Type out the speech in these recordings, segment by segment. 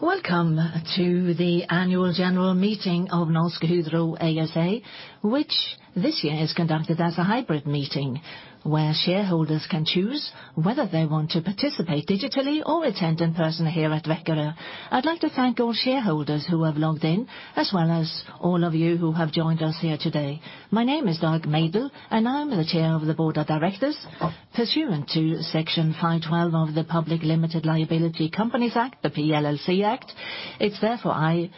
Welcome to the annual general meeting of Norsk Hydro ASA, which this year is conducted as a hybrid meeting, where shareholders can choose whether they want to participate digitally or attend in person here at Vækerø. I'd like to thank all shareholders who have logged in, as well as all of you who have joined us here today. My name is Dag Mejdell, and I'm the Chair of the Board of Directors. Pursuant to Section 5-12 of the Public Limited Liability Companies Act, the PLLC Act, it's therefore I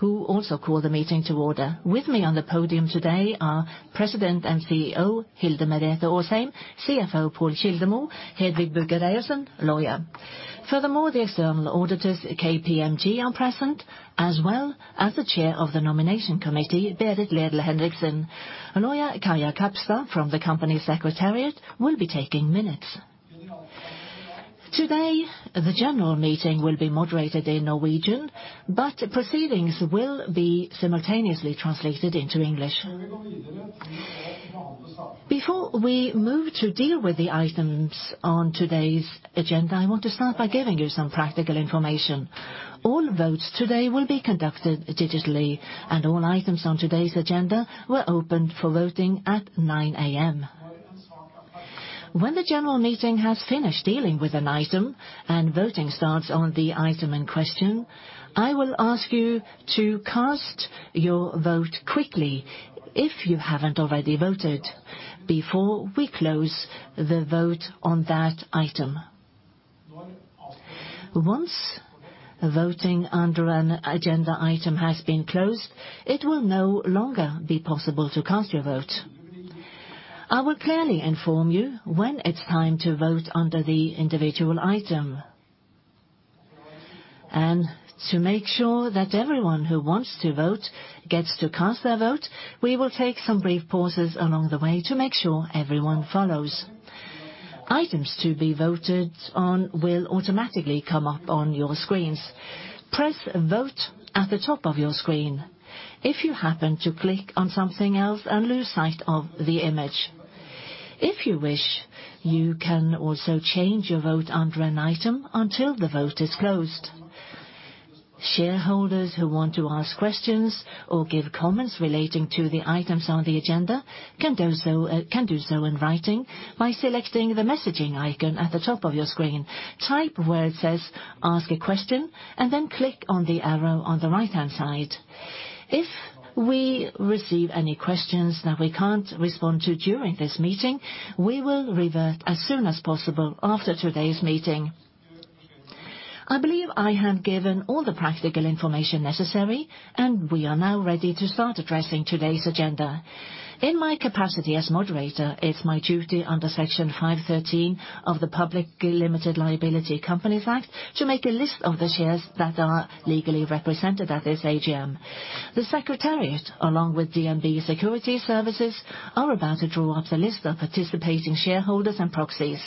who also call the meeting to order. With me on the podium today are President and CEO Hilde Merete Aasheim, CFO Pål Kildemo, Hedvig Bugge Reiersen, lawyer. Furthermore, the external auditors, KPMG, are present, as well as the Chair of the Nomination Committee, Berit Ledel Henriksen. Lawyer Kaja Kapstad from the company secretariat will be taking minutes. Today, the general meeting will be moderated in Norwegian. Proceedings will be simultaneously translated into English. Before we move to deal with the items on today's agenda, I want to start by giving you some practical information. All votes today will be conducted digitally. All items on today's agenda were opened for voting at 9:00 A.M. When the general meeting has finished dealing with an item and voting starts on the item in question, I will ask you to cast your vote quickly if you haven't already voted before we close the vote on that item. Once voting under an agenda item has been closed, it will no longer be possible to cast your vote. I will clearly inform you when it's time to vote under the individual item. To make sure that everyone who wants to vote gets to cast their vote, we will take some brief pauses along the way to make sure everyone follows. Items to be voted on will automatically come up on your screens. Press Vote at the top of your screen if you happen to click on something else and lose sight of the image. If you wish, you can also change your vote under an item until the vote is closed. Shareholders who want to ask questions or give comments relating to the items on the agenda can do so, can do so in writing by selecting the messaging icon at the top of your screen. Type where it says, "Ask a question," and then click on the arrow on the right-hand side. If we receive any questions that we can't respond to during this meeting, we will revert as soon as possible after today's meeting. I believe I have given all the practical information necessary. We are now ready to start addressing today's agenda. In my capacity as moderator, it's my duty under Section 5-13 of the Public Limited Liability Companies Act to make a list of the shares that are legally represented at this AGM. The secretariat, along with DNB Securities Services, are about to draw up the list of participating shareholders and proxies.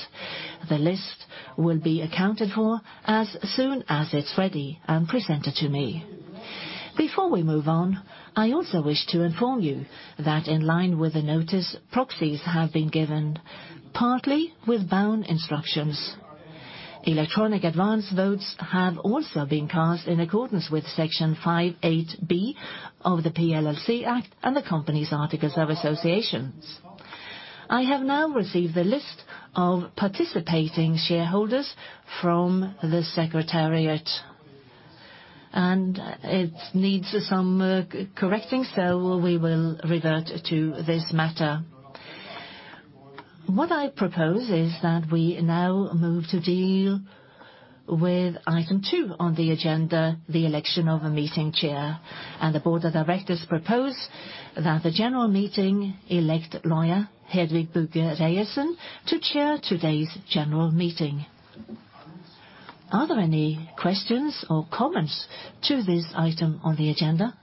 The list will be accounted for as soon as it's ready and presented to me. Before we move on, I also wish to inform you that in line with the notice, proxies have been given, partly with bound instructions. Electronic advance votes have also been cast in accordance with Section 5-8 B of the PLLC Act and the company's articles of association. I have now received the list of participating shareholders from the secretariat, it needs some correcting, so we will revert to this matter. What I propose is that we now move to deal with item 2 on the agenda, the election of a meeting chair, the board of directors propose that the general meeting elect lawyer Hedvig Bugge Reiersen to chair today's general meeting. Are there any questions or comments to this item on the agenda?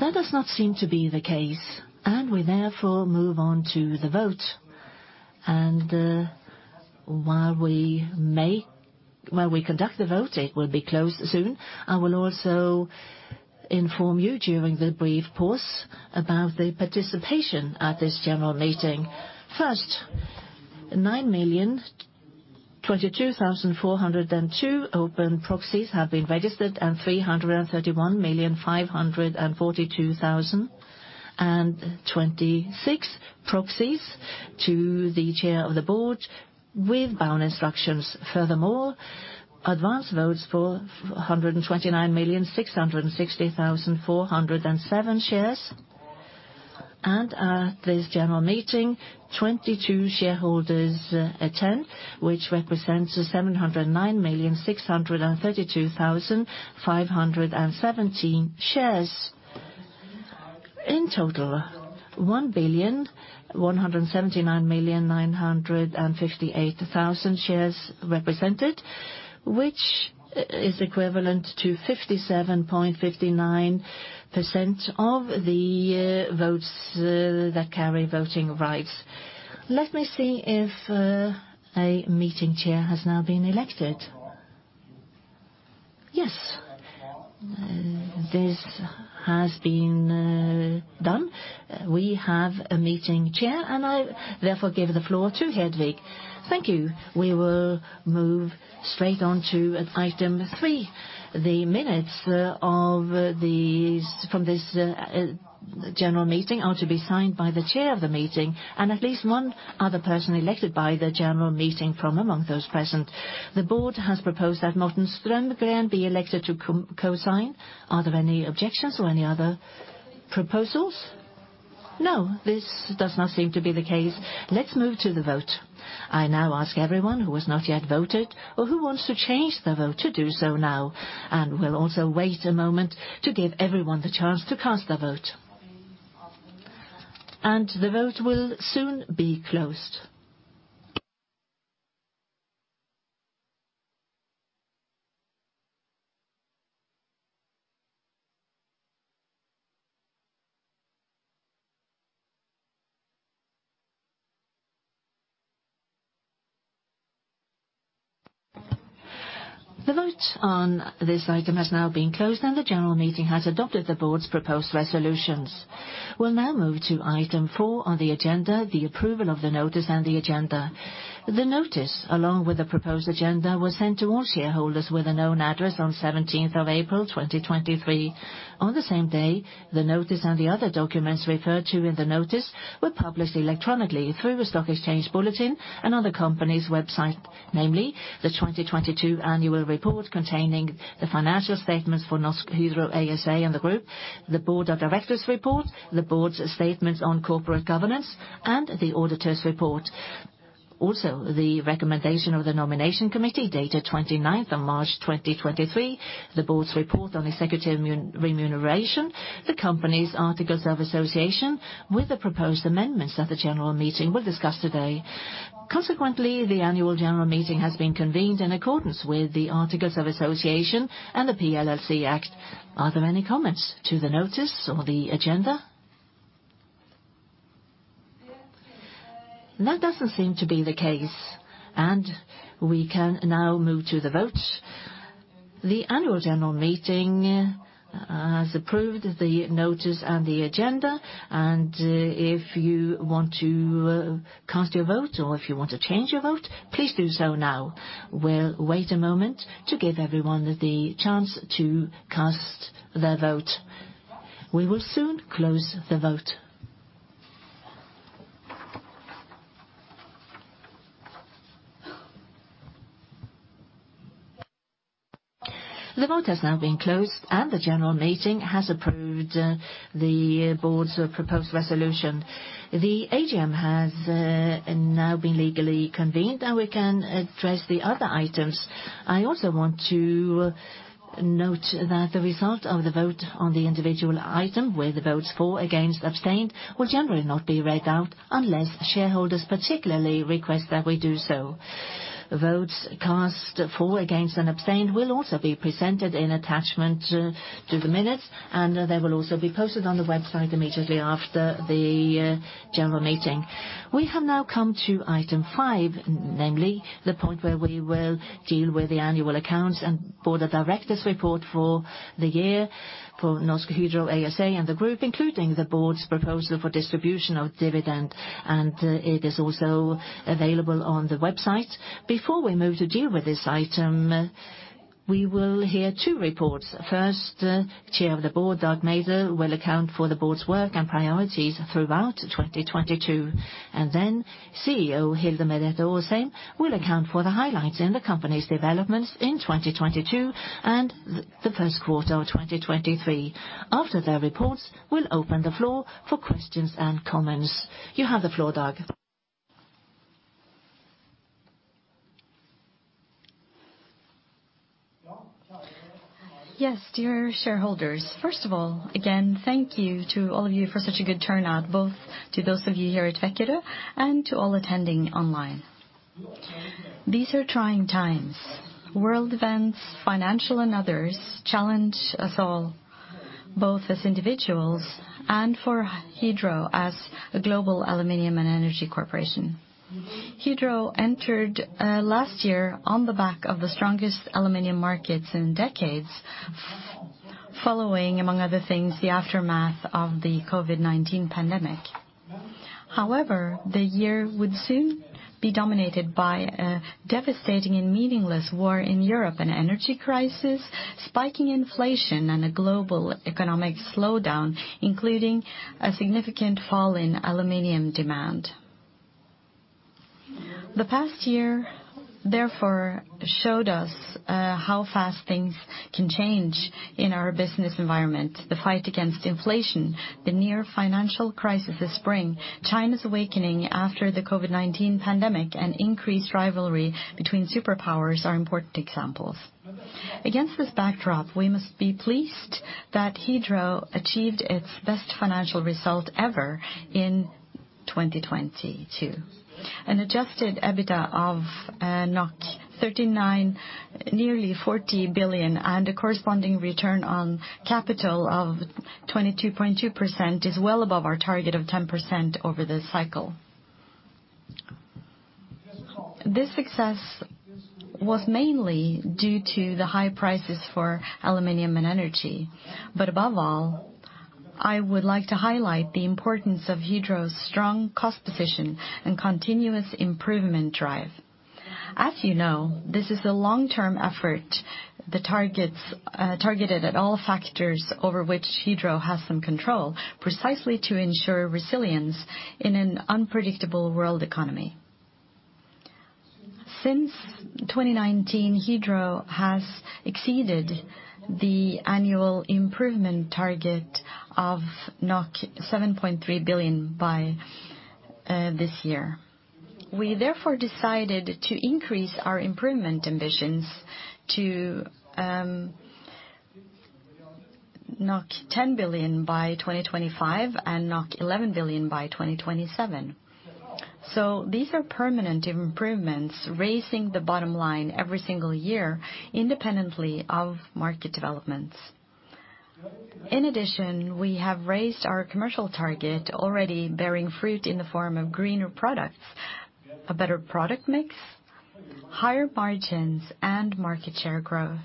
That does not seem to be the case, we therefore move on to the vote. While we conduct the vote, it will be closed soon. I will also inform you during the brief pause about the participation at this general meeting. First, 9,022,402 open proxies have been registered, and 331,542,026 proxies to the Chair of the Board with bound instructions. Furthermore, advance votes for 129,660,407 shares. At this general meeting, 22 shareholders attend, which represents 709,632,517 shares. In total, 1,179,958,000 shares represented. Which is equivalent to 57.59% of the votes that carry voting rights. Let me see if a meeting chair has now been elected. Yes. This has been done. We have a meeting chair, and I therefore give the floor to Hedvig. Thank you. We will move straight on to item 3. The minutes from this general meeting are to be signed by the chair of the meeting and at least one other person elected by the general meeting from among those present. The board has proposed that Morten Strømgren be elected to co-cosign. Are there any objections or any other proposals? No, this does not seem to be the case. Let's move to the vote. I now ask everyone who has not yet voted or who wants to change their vote to do so now, and we'll also wait a moment to give everyone the chance to cast their vote. The vote will soon be closed. The vote on this item has now been closed, and the general meeting has adopted the board's proposed resolutions. We'll now move to item 4 on the agenda, the approval of the notice and the agenda. The notice, along with the proposed agenda, was sent to all shareholders with a known address on 17th of April, 2023. On the same day, the notice and the other documents referred to in the notice were published electronically through a stock exchange bulletin and on the company's website, namely the 2022 annual report containing the financial statements for Norsk Hydro ASA and the group, the Board of Directors' report, the board's statements on corporate governance, and the auditor's report. Also, the recommendation of the Nomination Committee, dated 29th of March, 2023, the board's report on executive remuneration, the company's articles of association with the proposed amendments that the general meeting will discuss today. Consequently, the annual general meeting has been convened in accordance with the articles of association and the PLLC Act. Are there any comments to the notice or the agenda? That doesn't seem to be the case, we can now move to the vote. The annual general meeting has approved the notice and the agenda. If you want to cast your vote or if you want to change your vote, please do so now. We'll wait a moment to give everyone the chance to cast their vote. We will soon close the vote. The vote has now been closed, the general meeting has approved the Board's proposed resolution. The AGM has now been legally convened, we can address the other items. I also want to note that the result of the vote on the individual item with votes for, against, abstained, will generally not be read out unless shareholders particularly request that we do so. Votes cast for, against, and abstained will also be presented in attachment to the minutes, and they will also be posted on the website immediately after the general meeting. We have now come to item 5, namely the point where we will deal with the annual accounts and board of directors report for the year for Norsk Hydro ASA and the group, including the board's proposal for distribution of dividend. It is also available on the website. Before we move to deal with this item, we will hear 2 reports. First, Chair of the board, Dag Mejdell, will account for the board's work and priorities throughout 2022, and then CEO Hilde Merete Aasheim will account for the highlights in the company's developments in 2022 and the first quarter of 2023. After their reports, we'll open the floor for questions and comments. You have the floor, Dag. Dear shareholders. First of all, again, thank you to all of you for such a good turnout, both to those of you here at Vækerø and to all attending online. These are trying times. World events, financial and others, challenge us all, both as individuals and for Hydro as a global aluminum and energy corporation. Hydro entered last year on the back of the strongest aluminum markets in decades, following, among other things, the aftermath of the COVID-19 pandemic. The year would soon be dominated by a devastating and meaningless war in Europe, an energy crisis, spiking inflation, and a global economic slowdown, including a significant fall in aluminum demand. The past year, therefore, showed us how fast things can change in our business environment. The fight against inflation, the near financial crisis this spring, China's awakening after the COVID-19 pandemic, and increased rivalry between superpowers are important examples. Against this backdrop, we must be pleased that Hydro achieved its best financial result ever in 2022. An adjusted EBITDA of 39, nearly 40 billion, and a corresponding return on capital of 22.2% is well above our target of 10% over this cycle. This success was mainly due to the high prices for aluminum and energy. Above all, I would like to highlight the importance of Hydro's strong cost-efficient and continuous improvement drive. As you know, this is a long-term effort, targeted at all factors over which Hydro has some control, precisely to ensure resilience in an unpredictable world economy. Since 2019, Hydro has exceeded the annual improvement target of 7.3 billion by this year. We therefore decided to increase our improvement ambitions to 10 billion by 2025 and 11 billion by 2027. These are permanent improvements, raising the bottom line every single year independently of market developments. In addition, we have raised our commercial target already bearing fruit in the form of greener products, a better product mix, higher margins, and market share growth.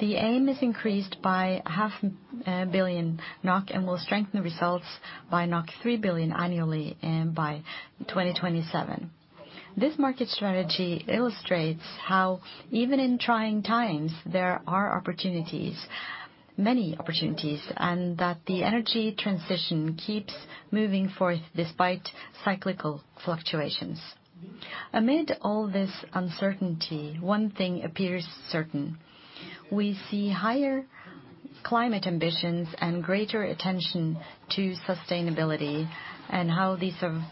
The aim is increased by half a billion NOK and will strengthen results by 3 billion annually and by 2027. This market strategy illustrates how even in trying times, there are opportunities, many opportunities, and that the energy transition keeps moving forth despite cyclical fluctuations. Amid all this uncertainty, one thing appears certain. We see higher climate ambitions and greater attention to sustainability and how these are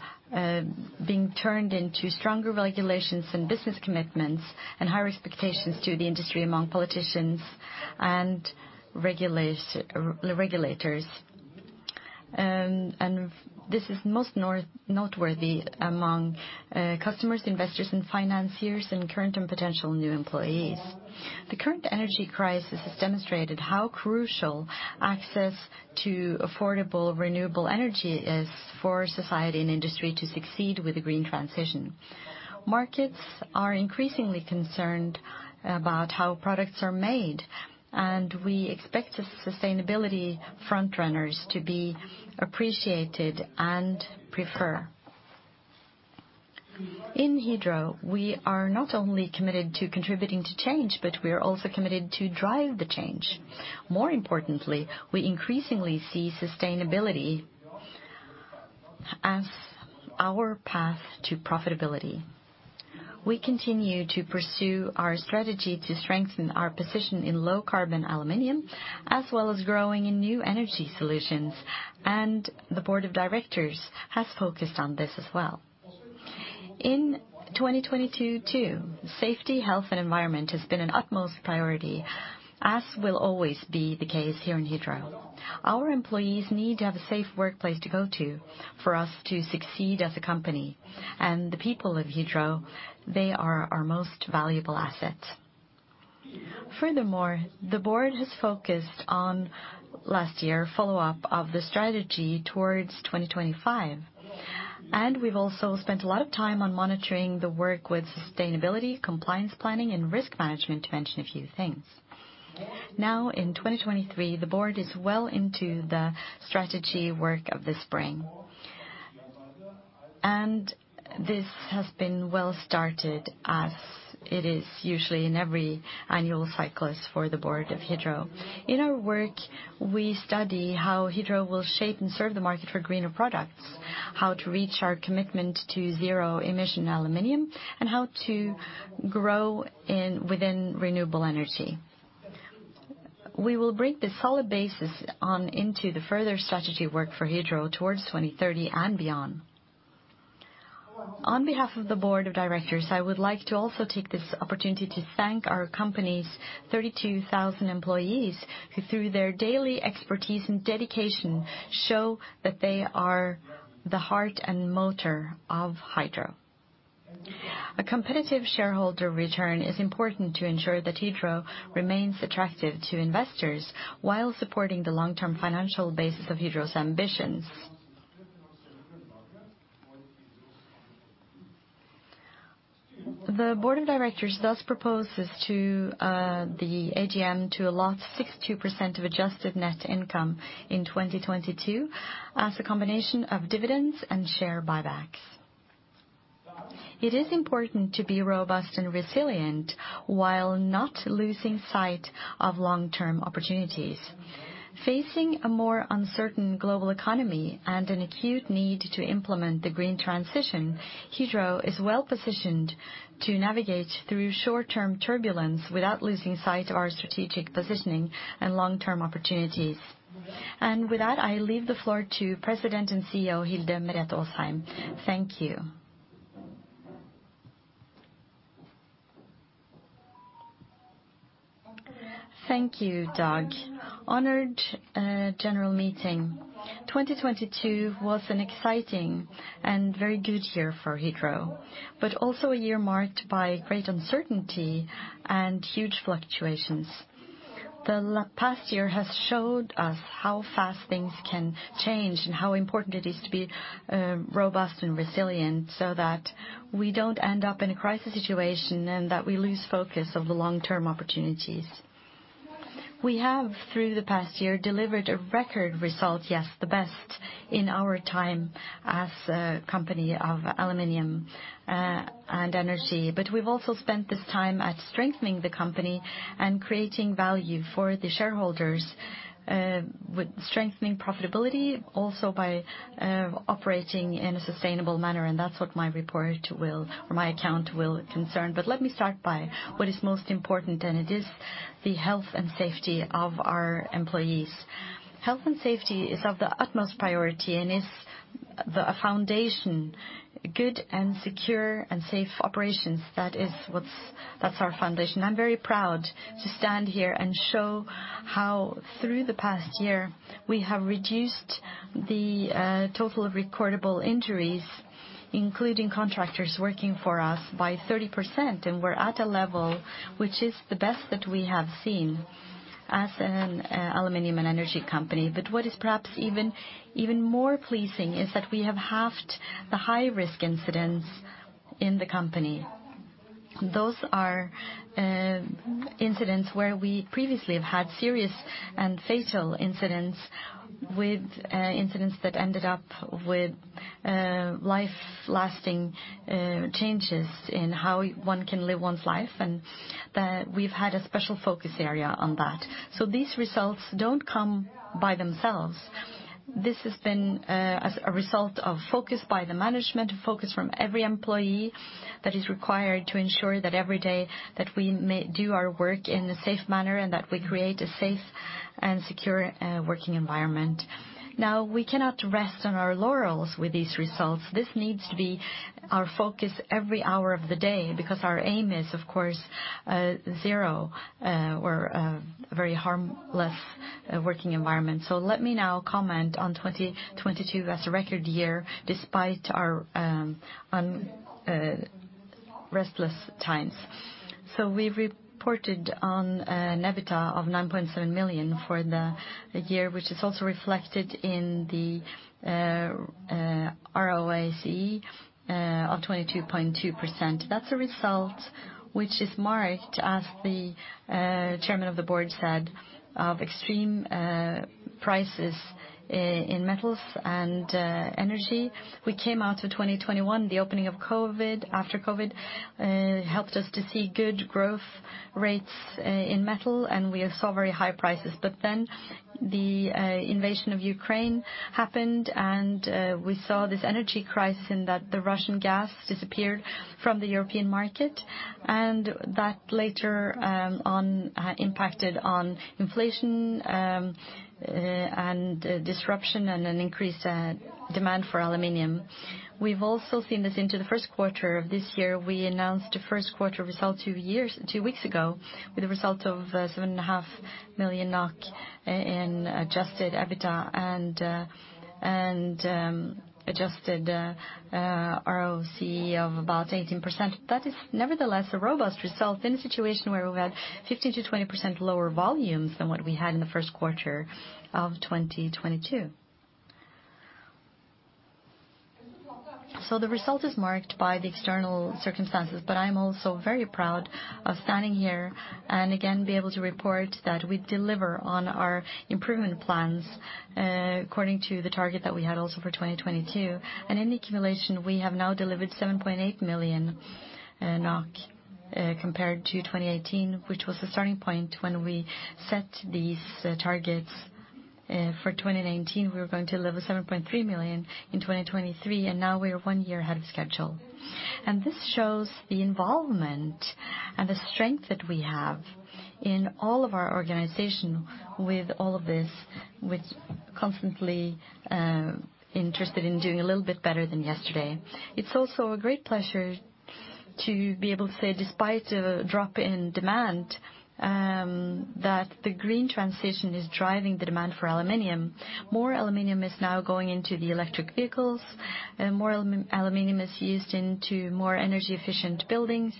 being turned into stronger regulations and business commitments and higher expectations to the industry among politicians and regulators. This is most noteworthy among customers, investors and financiers and current and potential new employees. The current energy crisis has demonstrated how crucial access to affordable renewable energy is for society and industry to succeed with the green transition. Markets are increasingly concerned about how products are made, and we expect the sustainability front runners to be appreciated and prefer. In Hydro, we are not only committed to contributing to change, but we are also committed to drive the change. More importantly, we increasingly see sustainability as our path to profitability. We continue to pursue our strategy to strengthen our position in low carbon aluminum, as well as growing in new energy solutions. The board of directors has focused on this as well. In 2022 too, safety, health and environment has been an utmost priority, as will always be the case here in Hydro. Our employees need to have a safe workplace to go to for us to succeed as a company. The people of Hydro, they are our most valuable asset. Furthermore, the board has focused on last year follow-up of the strategy towards 2025. We've also spent a lot of time on monitoring the work with sustainability, compliance planning and risk management to mention a few things. Now in 2023, the board is well into the strategy work of the spring. This has been well-started as it is usually in every annual cyclist for the board of Hydro. In our work, we study how Hydro will shape and serve the market for greener products, how to reach our commitment to zero emission aluminum, and how to grow within renewable energy. We will bring this solid basis on into the further strategy work for Hydro towards 2030 and beyond. On behalf of the board of directors, I would like to also take this opportunity to thank our company's 32,000 employees who, through their daily expertise and dedication, show that they are the heart and motor of Hydro. A competitive shareholder return is important to ensure that Hydro remains attractive to investors while supporting the long-term financial basis of Hydro's ambitions. The board of directors thus proposes to the AGM to allot 62% of adjusted net income in 2022 as a combination of dividends and share buybacks. It is important to be robust and resilient while not losing sight of long-term opportunities. Facing a more uncertain global economy and an acute need to implement the green transition, Hydro is well-positioned to navigate through short-term turbulence without losing sight of our strategic positioning and long-term opportunities. With that, I leave the floor to President and CEO Hilde Merete Aasheim. Thank you. Thank you, Dag. Honored general meeting. 2022 was an exciting and very good year for Hydro, but also a year marked by great uncertainty and huge fluctuations. The past year has showed us how fast things can change and how important it is to be robust and resilient so that we don't end up in a crisis situation and that we lose focus of the long-term opportunities. We have, through the past year, delivered a record result, yes, the best in our time as a company of aluminum and energy. We've also spent this time at strengthening the company and creating value for the shareholders with strengthening profitability also by operating in a sustainable manner, and that's what my report will or my account will concern. Let me start by what is most important, and it is the health and safety of our employees. Health and safety is of the utmost priority and is the foundation, good and secure and safe operations. That's our foundation. I'm very proud to stand here and show how through the past year we have reduced the total recordable injuries, including contractors working for us, by 30%, and we're at a level which is the best that we have seen as an aluminum and energy company. What is perhaps even more pleasing is that we have halved the high-risk incidents in the company. Those are incidents where we previously have had serious and fatal incidents with incidents that ended up with life-lasting changes in how one can live one's life, and we've had a special focus area on that. These results don't come by themselves. This has been as a result of focus by the management, focus from every employee that is required to ensure that every day that we do our work in a safe manner and that we create a safe and secure working environment. We cannot rest on our laurels with these results. This needs to be our focus every hour of the day because our aim is, of course, zero or a very harmless working environment. Let me now comment on 2022. That's a record year despite our restless times. We've reported on net EBITDA of 9.7 million for the year, which is also reflected in the ROACE of 22.2%. That's a result which is marked, as the chairman of the board said, of extreme prices in metals and energy. We came out of 2021, the opening of COVID, after COVID, helped us to see good growth rates in metal, and we saw very high prices. The invasion of Ukraine happened, and we saw this energy crisis in that the Russian gas disappeared from the European market, and that later on impacted on inflation, and disruption and an increased demand for aluminium. We've also seen this into the first quarter of this year. We announced the first quarter results two weeks ago with a result of 7.5 million NOK in adjusted EBITDA and adjusted ROACE of about 18%. That is nevertheless a robust result in a situation where we had 50%-20% lower volumes than what we had in the first quarter of 2022. The result is marked by the external circumstances, but I'm also very proud of standing here and again be able to report that we deliver on our improvement plans, according to the target that we had also for 2022. In accumulation, we have now delivered 7.8 million NOK compared to 2018, which was the starting point when we set these targets. For 2019, we were going to deliver 7.3 million. In 2023, now we are 1 year ahead of schedule. This shows the involvement and the strength that we have in all of our organization with all of this, with constantly interested in doing a little bit better than yesterday. It's also a great pleasure to be able to say despite a drop in demand that the green transition is driving the demand for aluminum. More aluminum is now going into the electric vehicles, and more aluminum is used into more energy-efficient buildings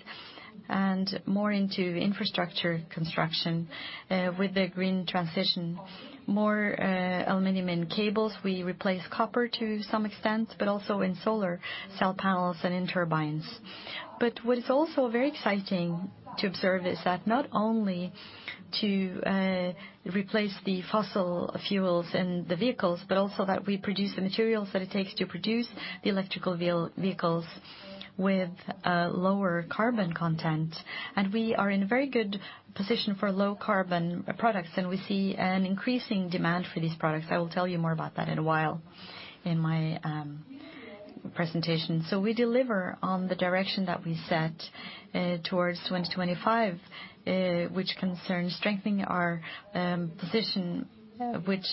and more into infrastructure construction with the green transition. More aluminum in cables, we replace copper to some extent, but also in solar cell panels and in turbines. What is also very exciting to observe is that not only to replace the fossil fuels in the vehicles, but also that we produce the materials that it takes to produce the electrical vehicles with lower carbon content. We are in a very good position for low carbon products, and we see an increasing demand for these products. I will tell you more about that in a while in my presentation. We deliver on the direction that we set towards 2025, which concerns strengthening our position, which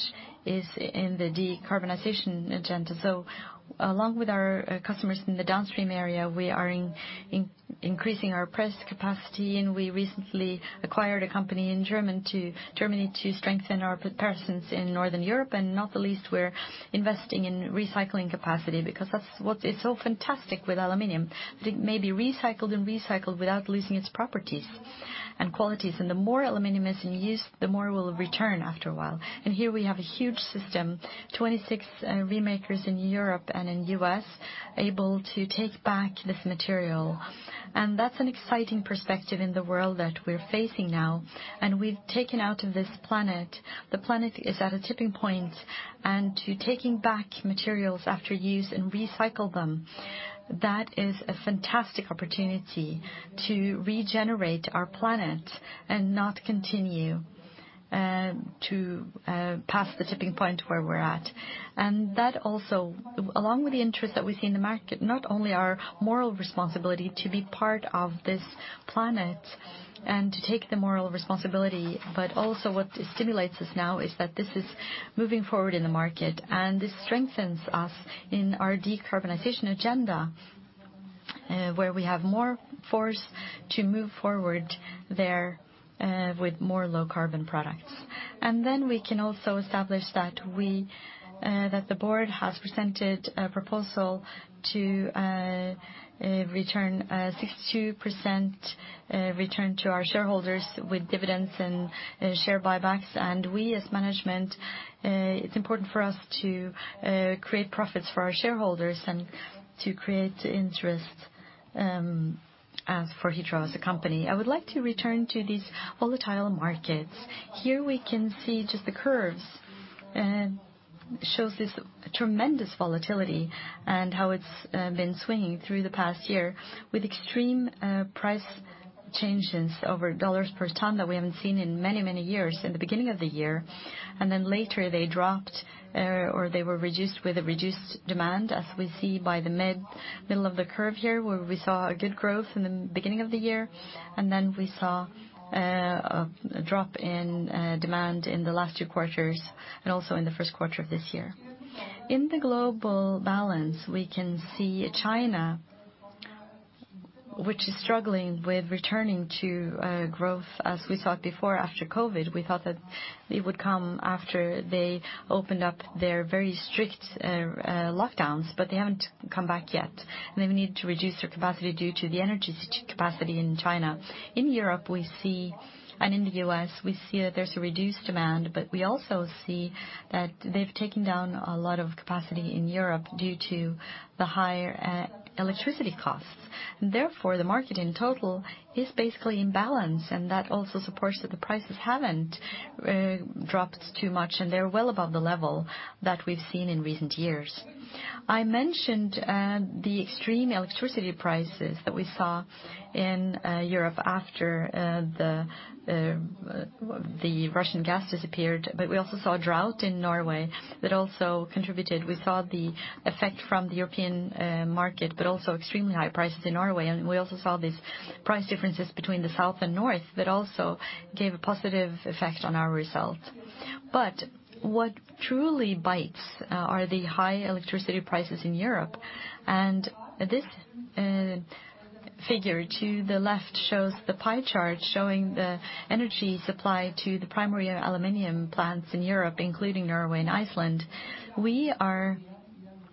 is in the decarbonization agenda. Along with our customers in the downstream area, we are increasing our press capacity, and we recently acquired a company in Germany to strengthen our presence in Northern Europe. Not the least, we're investing in recycling capacity because that's what is so fantastic with aluminum. It may be recycled and recycled without losing its properties and qualities. The more aluminum is in use, the more it will return after a while. Here we have a huge system, 26 remakers in Europe and in U.S. able to take back this material. That's an exciting perspective in the world that we're facing now. We've taken out of this planet. The planet is at a tipping point. To taking back materials after use and recycle them, that is a fantastic opportunity to regenerate our planet and not continue to pass the tipping point where we're at. That also, along with the interest that we see in the market, not only our moral responsibility to be part of this planet and to take the moral responsibility, but also what stimulates us now is that this is moving forward in the market. This strengthens us in our decarbonization agenda, where we have more force to move forward there with more low carbon products. Then we can also establish that we that the board has presented a proposal to return 62% return to our shareholders with dividends and share buybacks. We as management, it's important for us to create profits for our shareholders and to create interest as for Hydro as a company. I would like to return to these volatile markets. Here we can see just the curves shows this tremendous volatility and how it's been swinging through the past year with extreme price changes over dollars per ton that we haven't seen in many, many years in the beginning of the year. Later, they dropped or they were reduced with a reduced demand, as we see by the middle of the curve here, where we saw a good growth in the beginning of the year, and then we saw a drop in demand in the last 2 quarters and also in the first quarter of this year. In the global balance, we can see China, which is struggling with returning to growth, as we saw it before after COVID. We thought that it would come after they opened up their very strict lockdowns, they haven't come back yet. They need to reduce their capacity due to the energy capacity in China. In Europe, we see. In the U.S., we see that there's a reduced demand, we also see that they've taken down a lot of capacity in Europe due to the higher electricity costs. Therefore, the market in total is basically in balance, that also supports that the prices haven't dropped too much, and they're well above the level that we've seen in recent years. I mentioned the extreme electricity prices that we saw in Europe after the Russian gas disappeared. We also saw drought in Norway that also contributed. We saw the effect from the European market, also extremely high prices in Norway. We also saw these price differences between the south and north that also gave a positive effect on our results. What truly bites are the high electricity prices in Europe. This figure to the left shows the pie chart showing the energy supply to the primary aluminum plants in Europe, including Norway and Iceland. We are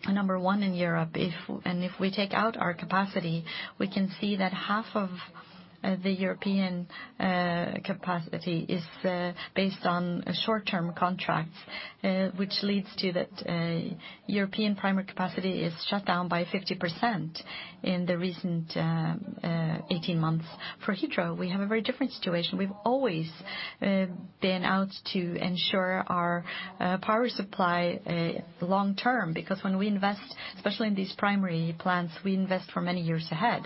number one in Europe. If we take out our capacity, we can see that half of the European capacity is based on short-term contracts, which leads to that European primary capacity is shut down by 50% in the recent 18 months. For Hydro, we have a very different situation. We've always been out to ensure our power supply long term, because when we invest, especially in these primary plants, we invest for many years ahead.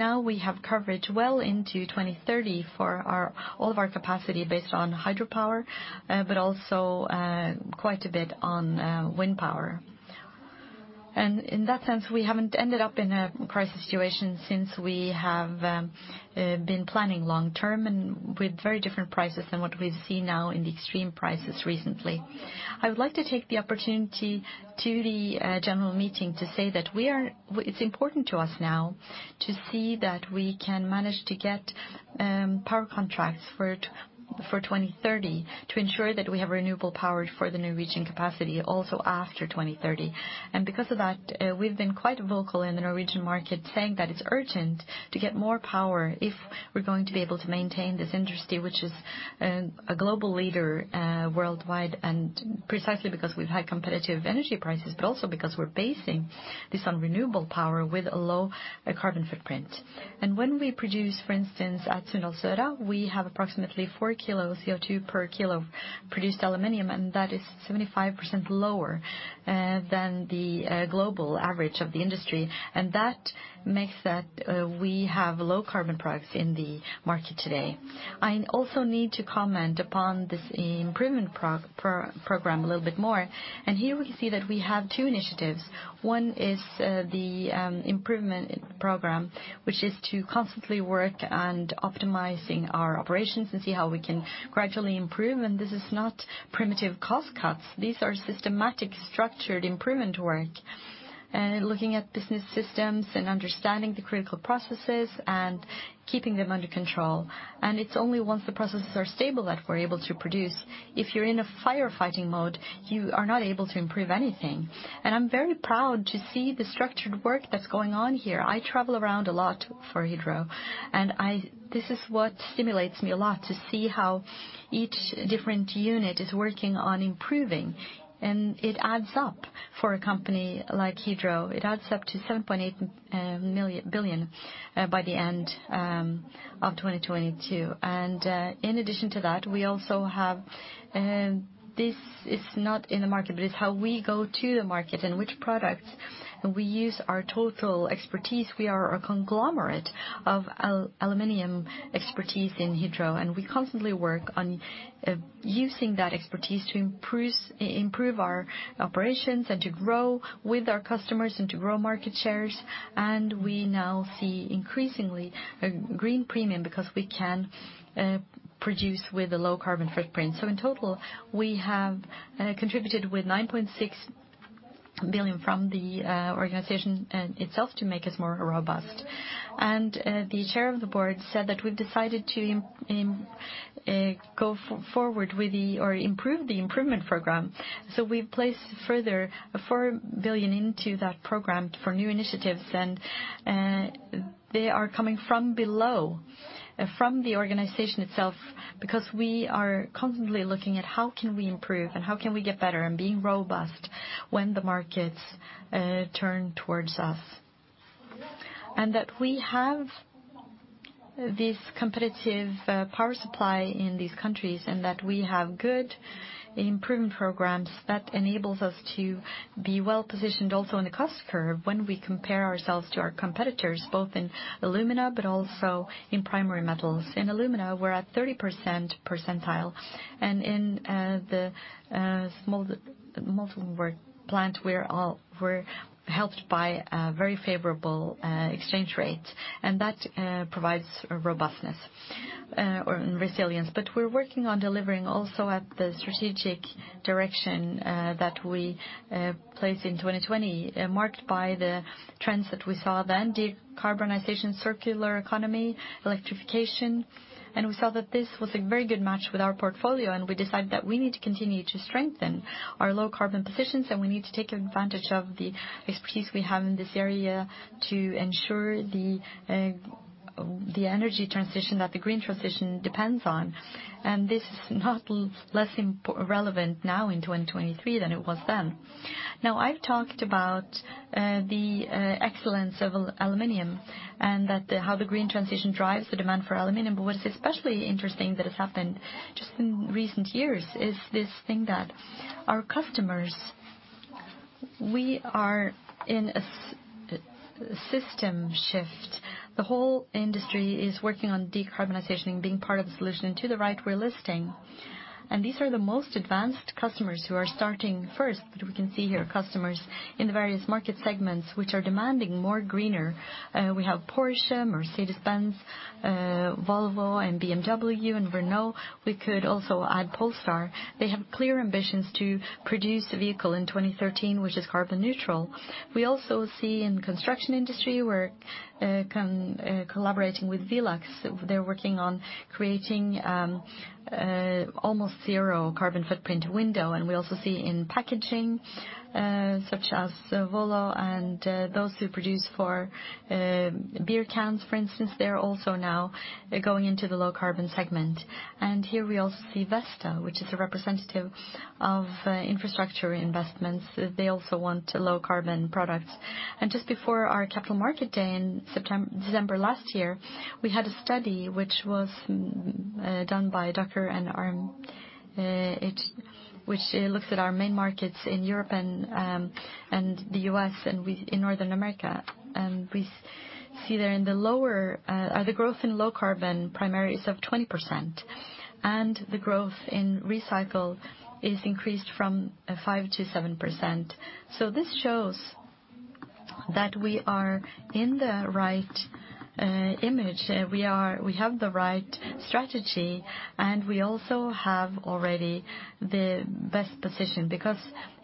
Now we have coverage well into 2030 for all of our capacity based on hydropower, but also quite a bit on wind power. In that sense, we haven't ended up in a crisis situation since we have been planning long term and with very different prices than what we see now in the extreme prices recently. I would like to take the opportunity to the general meeting to say that it's important to us now to see that we can manage to get power contracts for 2030 to ensure that we have renewable power for the Norwegian capacity also after 2030. Because of that, we've been quite vocal in the Norwegian market saying that it's urgent to get more power if we're going to be able to maintain this industry, which is a global leader worldwide, precisely because we've had competitive energy prices, also because we're basing this on renewable power with a low carbon footprint. When we produce, for instance, at Sunndalsøra, we have approximately four kilos CO2 per kilo produced aluminium, that is 75% lower than the global average of the industry. That makes that we have low carbon products in the market today. I also need to comment upon this improvement program a little bit more. Here we see that we have two initiatives. One is the improvement program, which is to constantly work on optimizing our operations and see how we can gradually improve. This is not primitive cost cuts. These are systematic, structured improvement work. Looking at business systems and understanding the critical processes and keeping them under control. It's only once the processes are stable that we're able to produce. If you're in a firefighting mode, you are not able to improve anything. I'm very proud to see the structured work that's going on here. I travel around a lot for Hydro, this is what stimulates me a lot, to see how each different unit is working on improving. It adds up for a company like Hydro. It adds up to 7.8 billion by the end of 2022. In addition to that, we also have, this is not in the market, but it's how we go to the market and which products. We use our total expertise. We are a conglomerate of aluminium expertise in Hydro, we constantly work on using that expertise to improve our operations and to grow with our customers and to grow market shares. We now see increasingly a green premium because we can produce with a low carbon footprint. In total, we have contributed with 9.6 billion from the organization itself to make us more robust. The Chair of the Board said that we've decided to improve the improvement program. We've placed further 4 billion into that program for new initiatives. They are coming from below, from the organization itself, because we are constantly looking at how can we improve and how can we get better and being robust when the markets turn towards us. That we have this competitive power supply in these countries and that we have good improvement programs, that enables us to be well-positioned also in the cost curve when we compare ourselves to our competitors, both in alumina but also in primary metals. In alumina, we're at 30% percentile. In the Molden work plant, we're helped by a very favorable exchange rate, and that provides a robustness or resilience. We're working on delivering also at the strategic direction that we placed in 2020, marked by the trends that we saw then: decarbonization, circular economy, electrification. We saw that this was a very good match with our portfolio, and we decided that we need to continue to strengthen our low carbon positions, and we need to take advantage of the expertise we have in this area to ensure the energy transition that the green transition depends on. This is not less relevant now in 2023 than it was then. I've talked about the excellence of aluminium and that how the green transition drives the demand for aluminum. What is especially interesting that has happened just in recent years is this thing that our customers, we are in a system shift. The whole industry is working on decarbonization and being part of the solution. To the right, we're listing. These are the most advanced customers who are starting first. We can see here customers in the various market segments which are demanding more greener. We have Porsche, Mercedes-Benz, Volvo, BMW, and Renault. We could also add Polestar. They have clear ambitions to produce a vehicle in 2013 which is carbon neutral. We also see in construction industry, we're collaborating with VELUX. They're working on creating a almost zero carbon footprint window. We also see in packaging, such as Volvo and those who produce for beer cans, for instance. They're also now going into the low carbon segment. Here we also see Vestas, which is a representative of infrastructure investments. They also want low carbon products. Just before our capital market day in December last year, we had a study which was done by Ducker and Arm. which looks at our main markets in Europe and the U.S. and in Northern America. We see there in the lower, the growth in low carbon primarily is of 20%, and the growth in recycle is increased from 5%-7%. This shows That we are in the right image. We have the right strategy, we also have already the best position.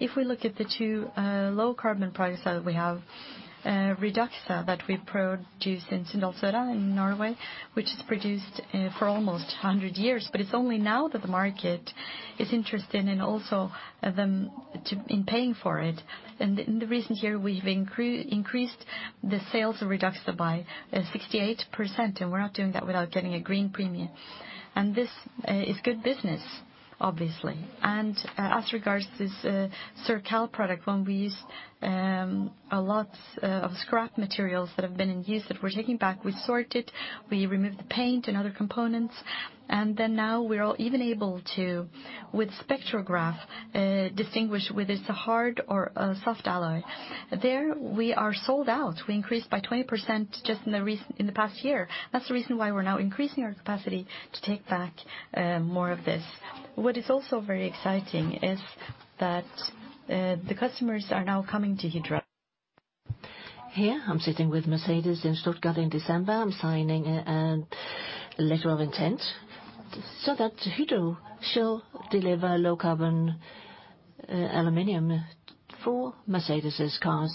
If we look at the two low carbon products that we have, REDUXA that we produce in Sunndalsøra in Norway, which is produced for almost 100 years. It's only now that the market is interested in also them in paying for it. The reason here, we've increased the sales of REDUXA by 68%, we're not doing that without getting a green premium. This is good business, obviously. As regards this CIRCAL product, when we use a lot of scrap materials that have been in use that we're taking back, we sort it, we remove the paint and other components, and then now we're even able to, with spectrometer, distinguish whether it's a hard or a soft alloy. There we are sold out. We increased by 20% just in the past year. That's the reason why we're now increasing our capacity to take back more of this. What is also very exciting is that the customers are now coming to Hydro. Here, I'm sitting with Mercedes in Stuttgart in December. I'm signing a letter of intent so that Hydro shall deliver low carbon aluminium for Mercedes's cars.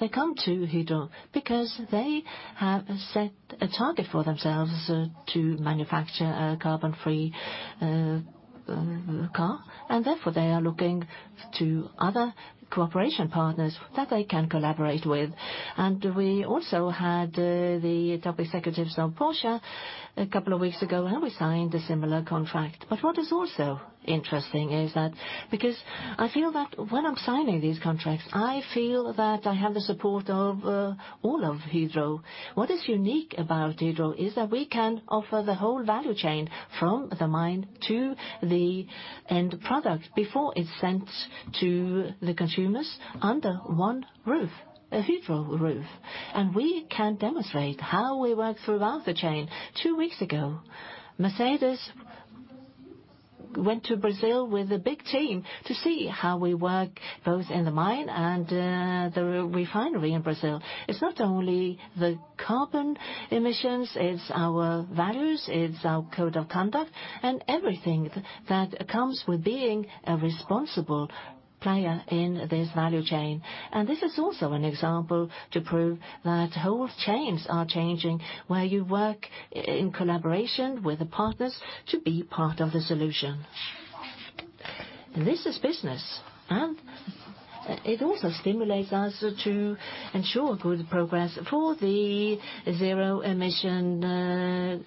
They come to Hydro because they have set a target for themselves to manufacture a carbon-free car. Therefore, they are looking to other cooperation partners that they can collaborate with. We also had the top executives of Porsche a couple of weeks ago, and we signed a similar contract. What is also interesting is that because I feel that when I'm signing these contracts, I feel that I have the support of all of Hydro. What is unique about Hydro is that we can offer the whole value chain from the mine to the end product before it's sent to the consumers under one roof, a Hydro roof. We can demonstrate how we work throughout the chain. Two weeks ago, Mercedes went to Brazil with a big team to see how we work both in the mine and the refinery in Brazil. It's not only the carbon emissions, it's our values, it's our code of conduct, and everything that comes with being a responsible player in this value chain. This is also an example to prove that whole chains are changing, where you work in collaboration with the partners to be part of the solution. This is business, and it also stimulates us to ensure good progress for the zero emission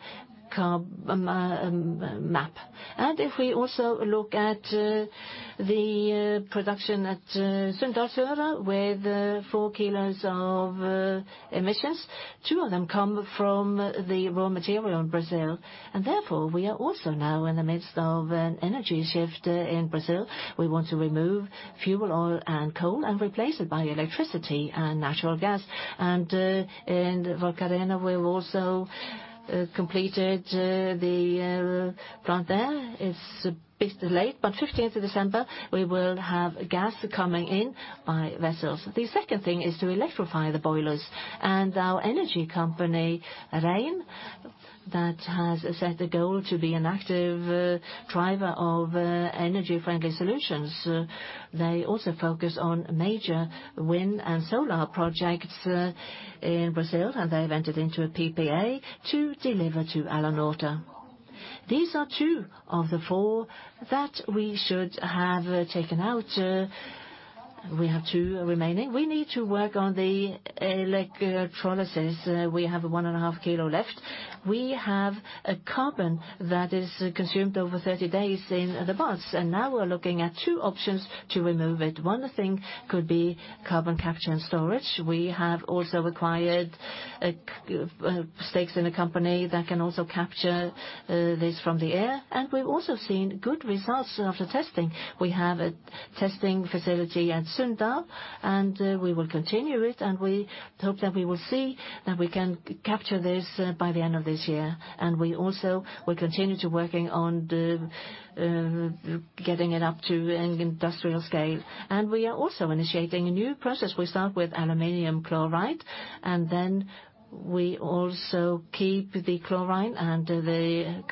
roadmap. If we also look at the production at Sunndalsøra with four kilos of emissions, two of them come from the raw material in Brazil. Therefore, we are also now in the midst of an energy shift in Brazil. We want to remove fuel oil and coal and replace it by electricity and natural gas. In Barcarena, we've also completed the plant there. It's a bit late, but 15th of December, we will have gas coming in by vessels. The second thing is to electrify the boilers. Our energy company, Hydro Rein, that has set the goal to be an active driver of energy-friendly solutions, they also focus on major wind and solar projects in Brazil, and they've entered into a PPA to deliver to Alunorte. These are two of the four that we should have taken out. We have two remaining. We need to work on the electrolysis. We have one and a half kilo left. We have a carbon that is consumed over 30 days in the pots, and now we're looking at two options to remove it. One thing could be carbon capture and storage. We have also acquired stakes in a company that can also capture this from the air. We've also seen good results after testing. We have a testing facility at Sunndal, and we will continue it, and we hope that we will see that we can capture this by the end of this year. We also will continue to working on the getting it up to an industrial scale. We are also initiating a new process. We start with aluminiium chloride, then we also keep the chloride and the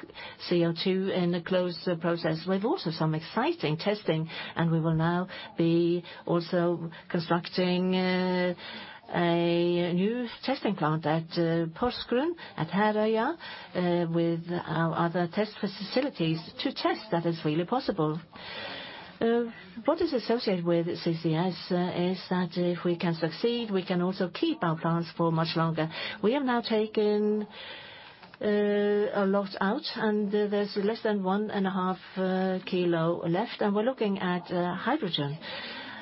CO2 in a closed process. We have also some exciting testing, we will now be also constructing a new testing plant at Porsgrunn, at Herøya, with our other test facilities to test that it's really possible. What is associated with CCS is that if we can succeed, we can also keep our plants for much longer. We have now taken a lot out, and there's less than 1.5 kilo left, and we're looking at hydrogen.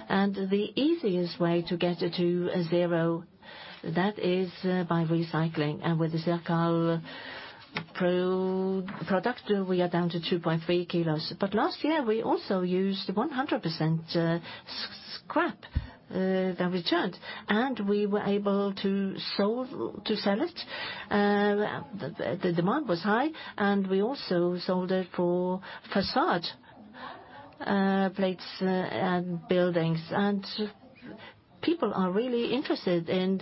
The easiest way to get to zero, that is by recycling. With the CIRCAL production, we are down to 2.3 kilos. Last year, we also used 100% scrap that returned, and we were able to sell it. The demand was high, and we also sold it for façade plates and buildings. People are really interested in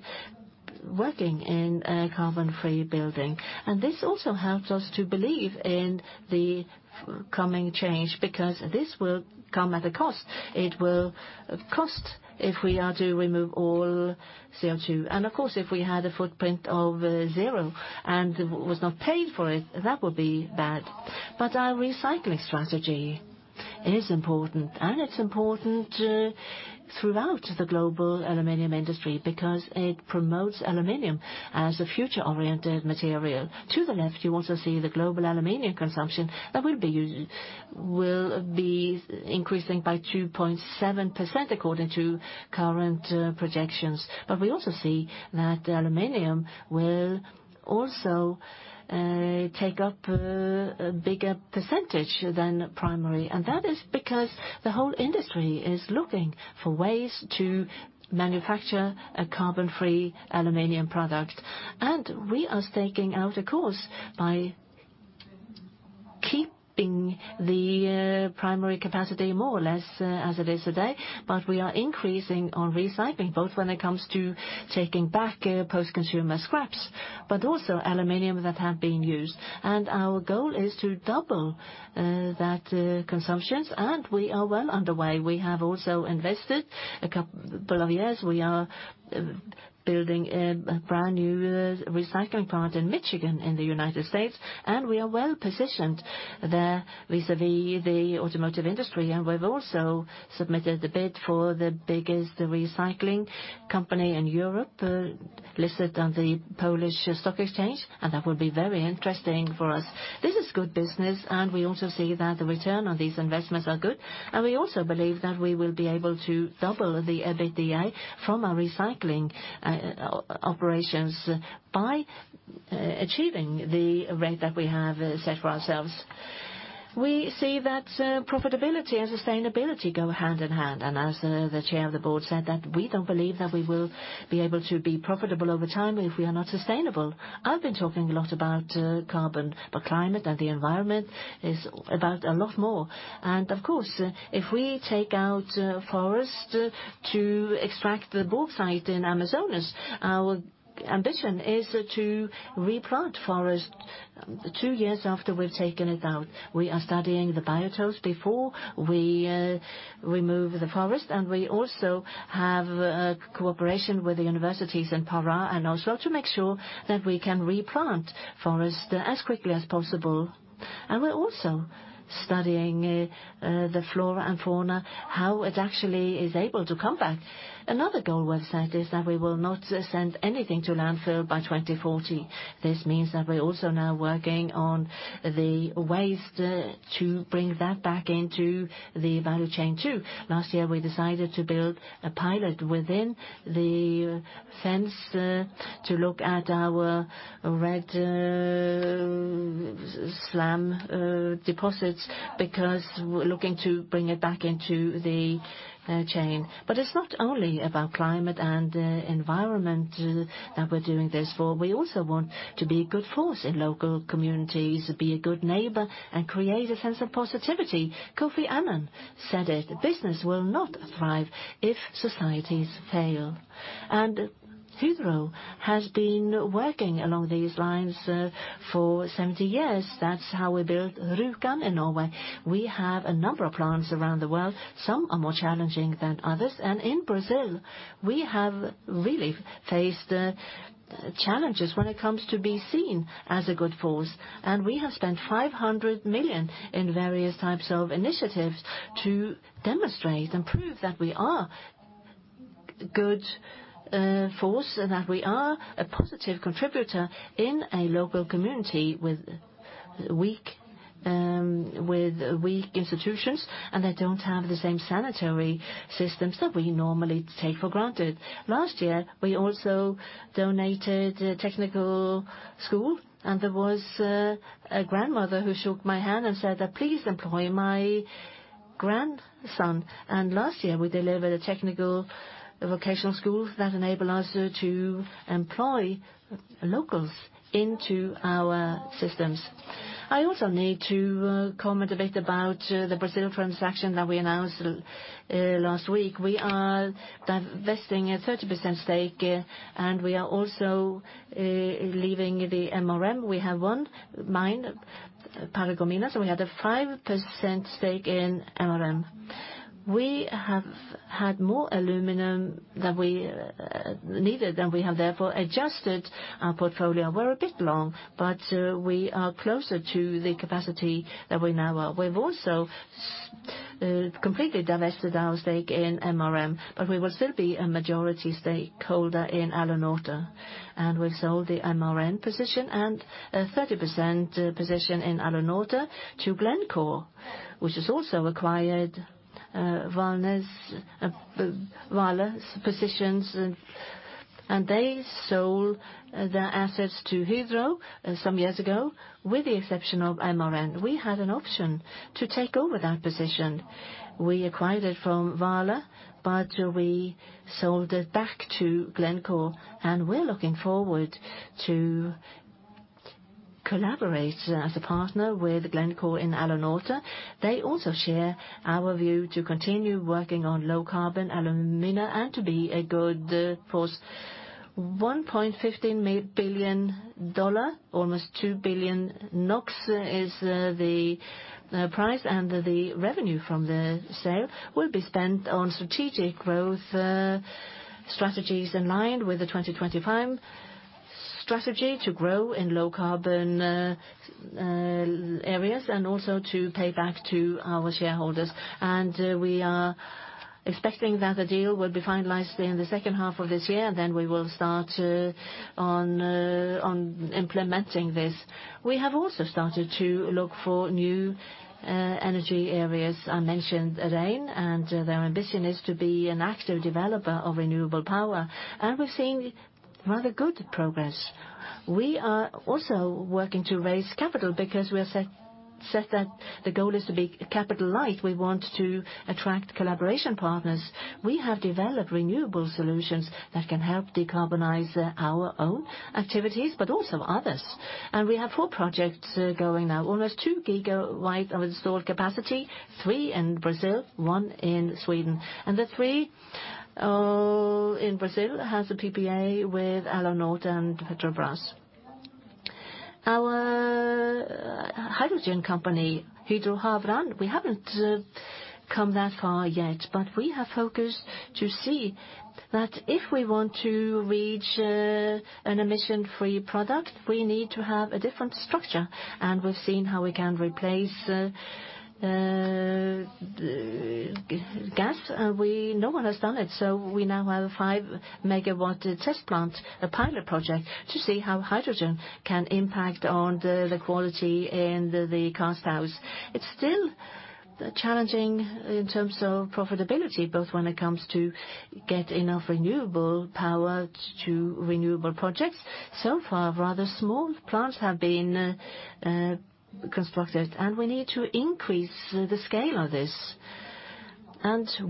working in a carbon-free building. This also helps us to believe in the coming change because this will come at a cost. It will cost if we are to remove all CO2. Of course, if we had a footprint of zero and was not paying for it, that would be bad. Our recycling strategy is important, and it's important throughout the global aluminium industry because it promotes aluminium as a future-oriented material. To the left, you also see the global aluminium consumption that will be increasing by 2.7% according to current projections. We also see that aluminium will also take up a bigger percentage than primary. That is because the whole industry is looking for ways to manufacture a carbon-free aluminium product. We are staking out a course by keeping the primary capacity more or less as it is today. We are increasing our recycling, both when it comes to taking back post-consumer scraps, but also aluminium that have been used. Our goal is to double that consumptions, and we are well underway. We have also invested a couple of years. We are building a brand-new recycling plant in Michigan in the United States, and we are well-positioned there vis-à-vis the automotive industry. We've also submitted a bid for the biggest recycling company in Europe, listed on the Polish stock exchange, and that will be very interesting for us. This is good business, and we also see that the return on these investments are good. We also believe that we will be able to double the EBITDA from our recycling operations by achieving the rate that we have set for ourselves. We see that profitability and sustainability go hand in hand. As the Chair of the Board said that we don't believe that we will be able to be profitable over time if we are not sustainable. I've been talking a lot about carbon, climate and the environment is about a lot more. Of course, if we take out forest to extract the bauxite in Amazonas, our ambition is to replant forest 2 years after we've taken it out. We are studying the biotopes before we remove the forest, and we also have cooperation with the universities in Pará, and also to make sure that we can replant forest as quickly as possible. We're also studying the flora and fauna, how it actually is able to come back. Another goal we've set is that we will not send anything to landfill by 2040. This means that we're also now working on the ways to bring that back into the value chain too. Last year, we decided to build a pilot within the fence to look at our red mud deposits because we're looking to bring it back into the chain. It's not only about climate and environment that we're doing this for. We also want to be a good force in local communities, be a good neighbor, and create a sense of positivity. Kofi Annan said it, "Business will not thrive if societies fail." Hydro has been working along these lines for 70 years. That's how we built Rjukan in Norway. We have a number of plants around the world. Some are more challenging than others. In Brazil, we have really faced challenges when it comes to be seen as a good force. We have spent 500 million in various types of initiatives to demonstrate and prove that we are a good force and that we are a positive contributor in a local community with weak institutions, and they don't have the same sanitary systems that we normally take for granted. Last year, we also donated a technical school, and there was a grandmother who shook my hand and said that, "Please employ my grandson." Last year, we delivered a technical vocational school that enable us to employ locals into our systems. I also need to comment a bit about the Brazil transaction that we announced last week. We are divesting a 30% stake, and we are also leaving the MRN. We have one mine, Paragominas, and we had a 5% stake in MRN. We have had more aluminum than we needed, and we have therefore adjusted our portfolio. We're a bit long, but we are closer to the capacity that we now are. We've also completely divested our stake in MRN, but we will still be a majority stakeholder in Alunorte. We've sold the MRN position and a 30% position in Alunorte to Glencore, which has also acquired Vale's positions. They sold their assets to Hydro some years ago, with the exception of MRN. We had an option to take over that position. We acquired it from Vale, but we sold it back to Glencore, and we're looking forward to collaborate as a partner with Glencore in Alunorte. They also share our view to continue working on low carbon alumina and to be a good force. $1.15 billion, almost 2 billion NOK is the price. The revenue from the sale will be spent on strategic growth strategies in line with the 2025 strategy to grow in low carbon areas and also to pay back to our shareholders. We are expecting that the deal will be finalized in the second half of this year. We will start on implementing this. We have also started to look for new energy areas. I mentioned Hydro Rein. Their ambition is to be an active developer of renewable power. We're seeing rather good progress. We are also working to raise capital because we have set that the goal is to be capital light. We want to attract collaboration partners. We have developed renewable solutions that can help decarbonize our own activities, but also others. We have four projects going now, almost 2 gigawatts of installed capacity, three in Brazil, one in Sweden. The three all in Brazil has a PPA with Alunorte and Petrobras. Our hydrogen company, Hydro Havrand, we haven't come that far yet, but we have focused to see that if we want to reach an emission-free product, we need to have a different structure. We've seen how we can replace gas. No one has done it, so we now have 5 megawatt test plant, a pilot project, to see how hydrogen can impact on the quality in the cast house. It's still challenging in terms of profitability, both when it comes to get enough renewable power to renewable projects. Far, rather small plants have been constructed, and we need to increase the scale of this.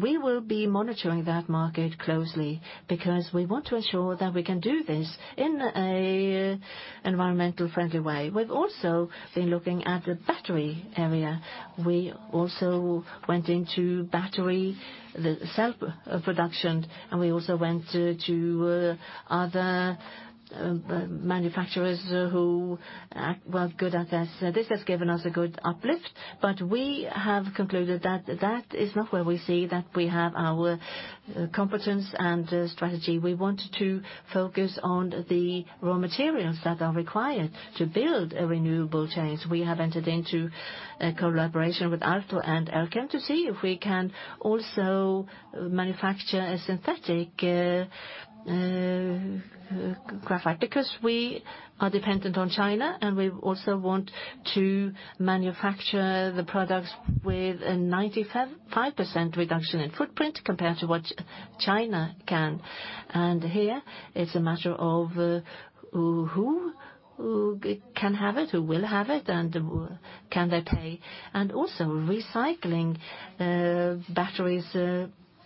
We will be monitoring that market closely because we want to ensure that we can do this in an environmental friendly way. We've also been looking at the battery area. We also went into battery, the cell production, and we also went to other manufacturers who were good at this. This has given us a good uplift, but we have concluded that that is not where we see that we have our competence and strategy. We want to focus on the raw materials that are required to build a renewable change. We have entered into a collaboration with Altor and Elkem to see if we can also manufacture a synthetic graphite, because we are dependent on China, and we also want to manufacture the products with a 95% reduction in footprint compared to what China can. Here it's a matter of who can have it, who will have it, and can they pay. Also recycling, batteries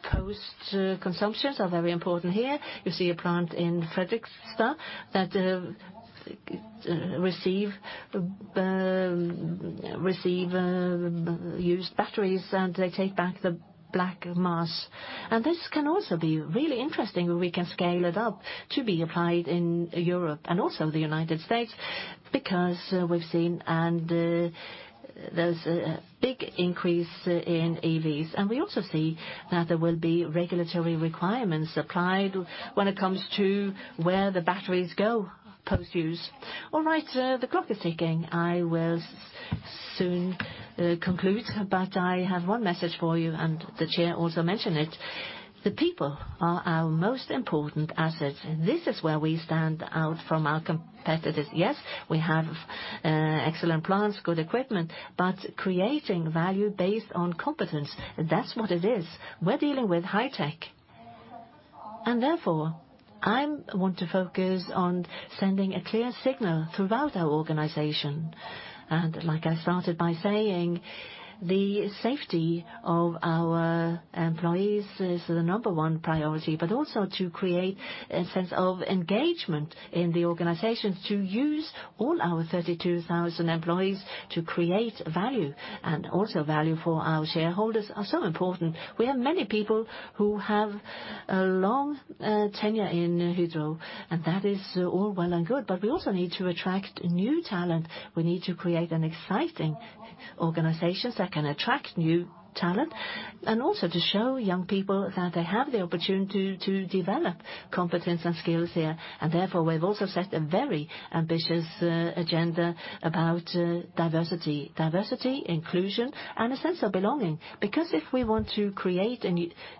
post-consumptions are very important here. You see a plant in Fredrikstad that receive used batteries, and they take back the black mass. This can also be really interesting if we can scale it up to be applied in Europe and also the United States, because we've seen and there's a big increase in EVs. We also see that there will be regulatory requirements applied when it comes to where the batteries go post-use. All right, the clock is ticking. I will soon conclude, but I have one message for you, and the chair also mentioned it. The people are our most important asset. This is where we stand out from our competitors. Yes, we have excellent plants, good equipment, creating value based on competence, that's what it is. We're dealing with high tech, therefore I want to focus on sending a clear signal throughout our organization. Like I started by saying, the safety of our employees is the number one priority, also to create a sense of engagement in the organization to use all our 32,000 employees to create value. Also value for our shareholders are so important. We have many people who have a long tenure in Hydro, that is all well and good. We also need to attract new talent. We need to create an exciting organization that can attract new talent, also to show young people that they have the opportunity to develop competence and skills here. Therefore, we've also set a very ambitious agenda about diversity. Diversity, inclusion, and a sense of belonging. Because if we want to create a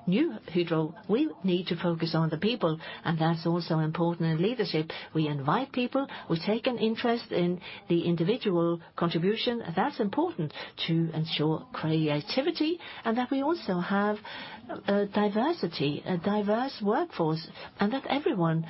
new Hydro, we need to focus on the people. That's also important in leadership. We invite people, we take an interest in the individual contribution. That's important to ensure creativity and that we also have a diversity, a diverse workforce, and that everyone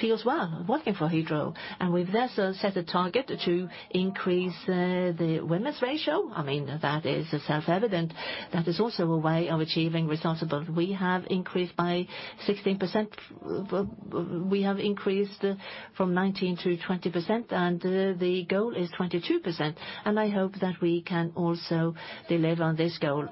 feels well working for Hydro. We've thus set a target to increase the women's ratio. I mean, that is self-evident. That is also a way of achieving results. We have increased by 16%. We have increased from 19%-20%, and the goal is 22%. I hope that we can also deliver on this goal.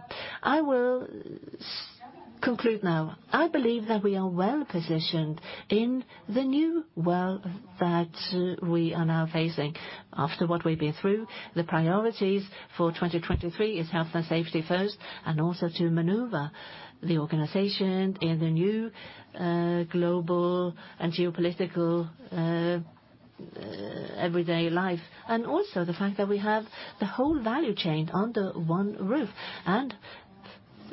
Conclude now. I believe that we are well-positioned in the new world that we are now facing. After what we've been through, the priorities for 2023 is health and safety first, also to maneuver the organization in the new global and geopolitical everyday life. Also the fact that we have the whole value chain under one roof.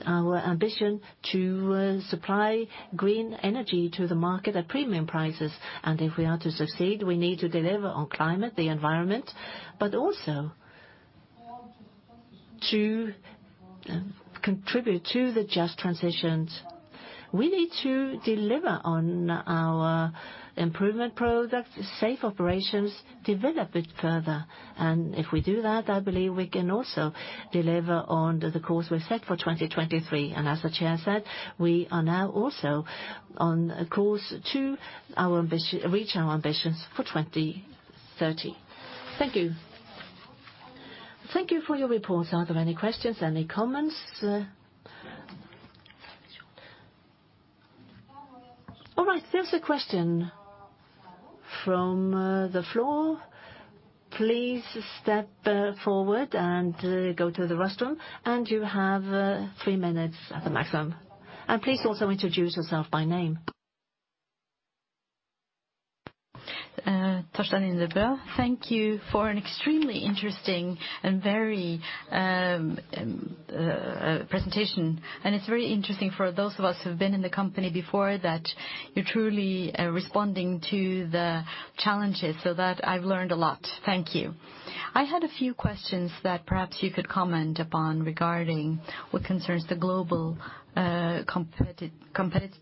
Our ambition to supply green energy to the market at premium prices. If we are to succeed, we need to deliver on climate, the environment, but also to contribute to the just transitions. We need to deliver on our improvement products, safe operations, develop it further. If we do that, I believe we can also deliver on the course we've set for 2023. As the chair said, we are now also on a course to reach our ambitions for 2030. Thank you. Thank you for your reports. Are there any questions? Any comments? All right, there's a question from the floor. Please step forward and go to the restroom. You have three minutes at the maximum. Please also introduce yourself by name. Torstein Nødvig. Thank you for an extremely interesting and very presentation. It's very interesting for those of us who've been in the company before that you're truly responding to the challenges, so that I've learned a lot. Thank you. I had a few questions that perhaps you could comment upon regarding what concerns the global competitiveness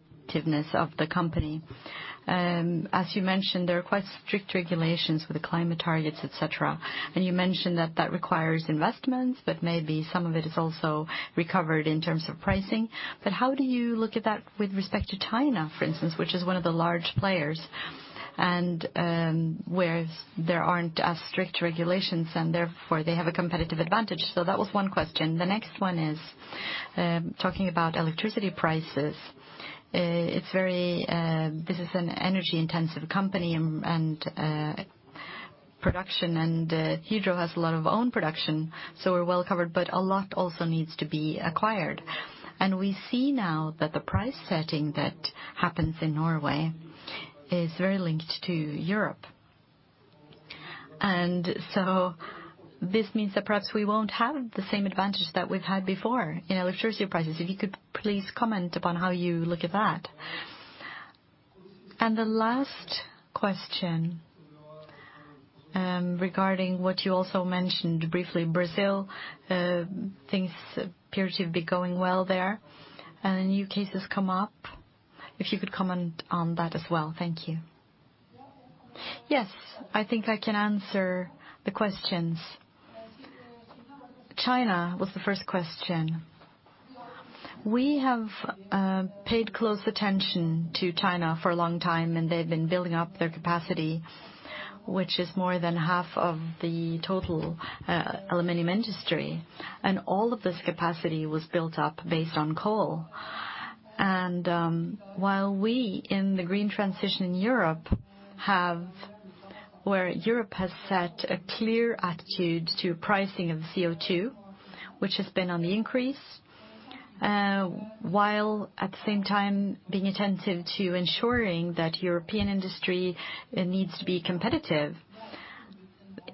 of the company. As you mentioned, there are quite strict regulations with the climate targets, et cetera. You mentioned that that requires investments, but maybe some of it is also recovered in terms of pricing. How do you look at that with respect to China, for instance, which is one of the large players, and where there aren't as strict regulations, and therefore they have a competitive advantage? That was one question. The next one is talking about electricity prices. This is an energy-intensive company and production. Hydro has a lot of own production, so we're well-covered, but a lot also needs to be acquired. We see now that the price setting that happens in Norway is very linked to Europe. This means that perhaps we won't have the same advantage that we've had before in electricity prices. If you could please comment upon how you look at that. The last question, regarding what you also mentioned briefly, Brazil, things appear to be going well there, and new cases come up. If you could comment on that as well? Thank you. Yes, I think I can answer the questions. China was the first question. We have paid close attention to China for a long time, and they've been building up their capacity, which is more than half of the total aluminium industry, and all of this capacity was built up based on coal. While we in the green transition in Europe where Europe has set a clear attitude to pricing of CO2, which has been on the increase, while at the same time being attentive to ensuring that European industry needs to be competitive,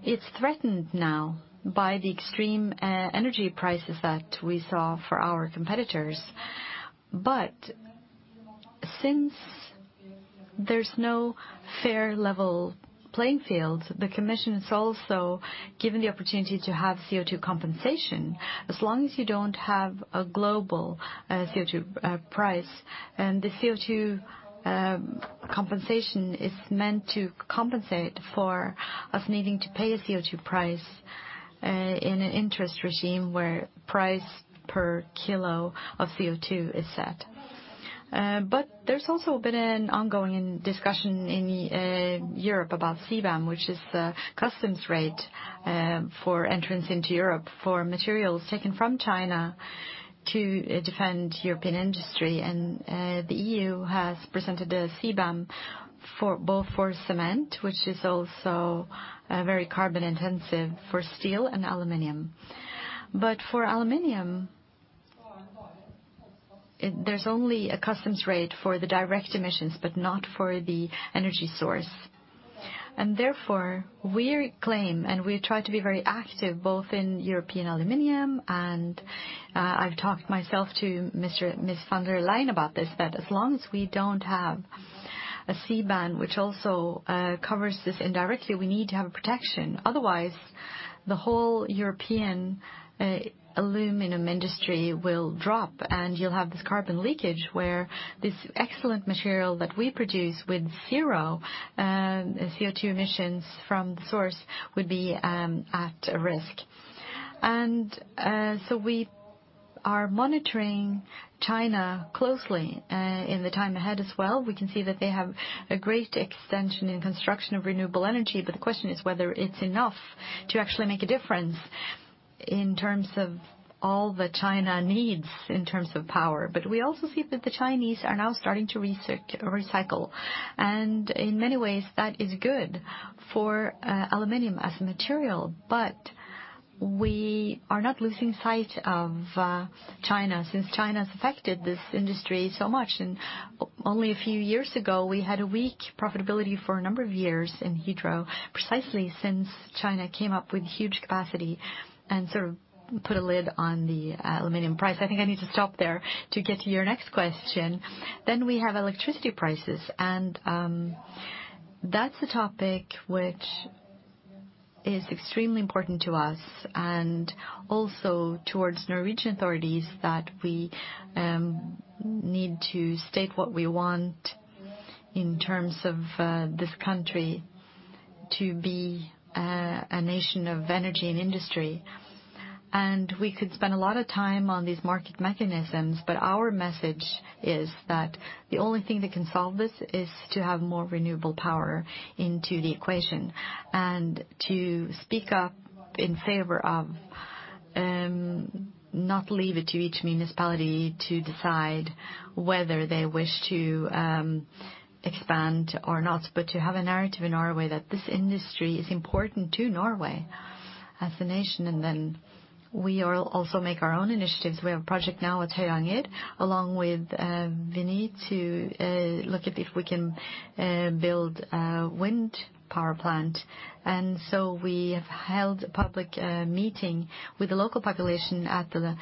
it's threatened now by the extreme energy prices that we saw for our competitors. Since there's no fair level playing field, the commission is also given the opportunity to have CO2 compensation as long as you don't have a global CO2 price. The CO2 compensation is meant to compensate for us needing to pay a CO2 price in an interest regime where price per kilo of CO2 is set. There's also been an ongoing discussion in Europe about CBAM, which is the customs rate for entrance into Europe for materials taken from China to defend European industry. The EU has presented a CBAM for both for cement, which is also very carbon-intensive for steel and aluminium. For aluminium, there's only a customs rate for the direct emissions, but not for the energy source. Therefore, we claim, and we try to be very active both in European aluminium, and I've talked myself to Ms. von der Leyen about this, that as long as we don't have a CBAM, which also covers this indirectly, we need to have protection. Otherwise, the whole European Aluminium industry will drop, and you'll have this carbon leakage where this excellent material that we produce with zero CO2 emissions from the source would be at risk. So we are monitoring China closely in the time ahead as well. We can see that they have a great extension in construction of renewable energy, the question is whether it's enough to actually make a difference. In terms of all that China needs in terms of power. We also see that the Chinese are now starting to recycle, and in many ways, that is good for aluminium as a material. We are not losing sight of China, since China's affected this industry so much. Only a few years ago, we had a weak profitability for a number of years in Hydro, precisely since China came up with huge capacity and sort of put a lid on the aluminiium price. I think I need to stop there to get to your next question. We have electricity prices, and that's a topic which is extremely important to us and also towards Norwegian authorities that we need to state what we want in terms of this country to be a nation of energy and industry. We could spend a lot of time on these market mechanisms, but our message is that the only thing that can solve this is to have more renewable power into the equation. To speak up in favor of, not leave it to each municipality to decide whether they wish to expand or not, but to have a narrative in Norway that this industry is important to Norway as a nation. We also make our own initiatives. We have a project now at Høyanger along with Eviny to look at if we can build a wind power plant. We have held a public meeting with the local population at the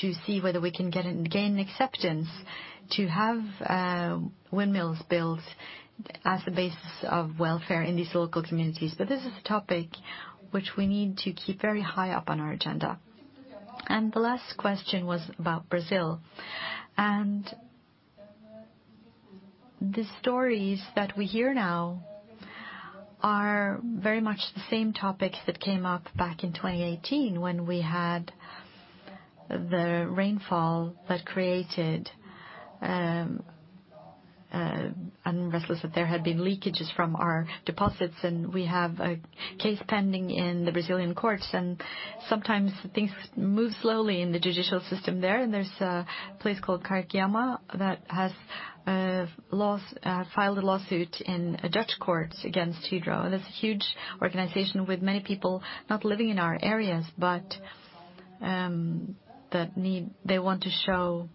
to see whether we can gain acceptance to have windmills built as the basis of welfare in these local communities. This is a topic which we need to keep very high up on our agenda. The last question was about Brazil. The stories that we hear now are very much the same topics that came up back in 2018 when we had the rainfall that created. Rest assured there had been leakages from our deposits, and we have a case pending in the Brazilian courts, and sometimes things move slowly in the judicial system there. There's a place called Cainquiama that has filed a lawsuit in a Dutch court against Hydro. That's a huge organization with many people not living in our areas, but they want to show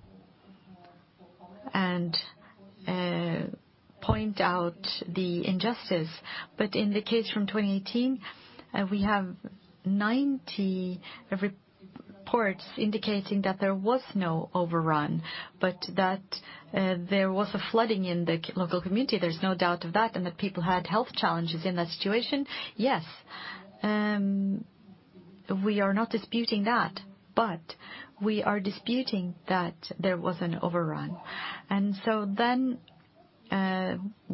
and point out the injustice. In the case from 2018, we have 90 reports indicating that there was no overrun, but that there was a flooding in the local community. There's no doubt of that, the people had health challenges in that situation. Yes, we are not disputing that, but we are disputing that there was an overrun.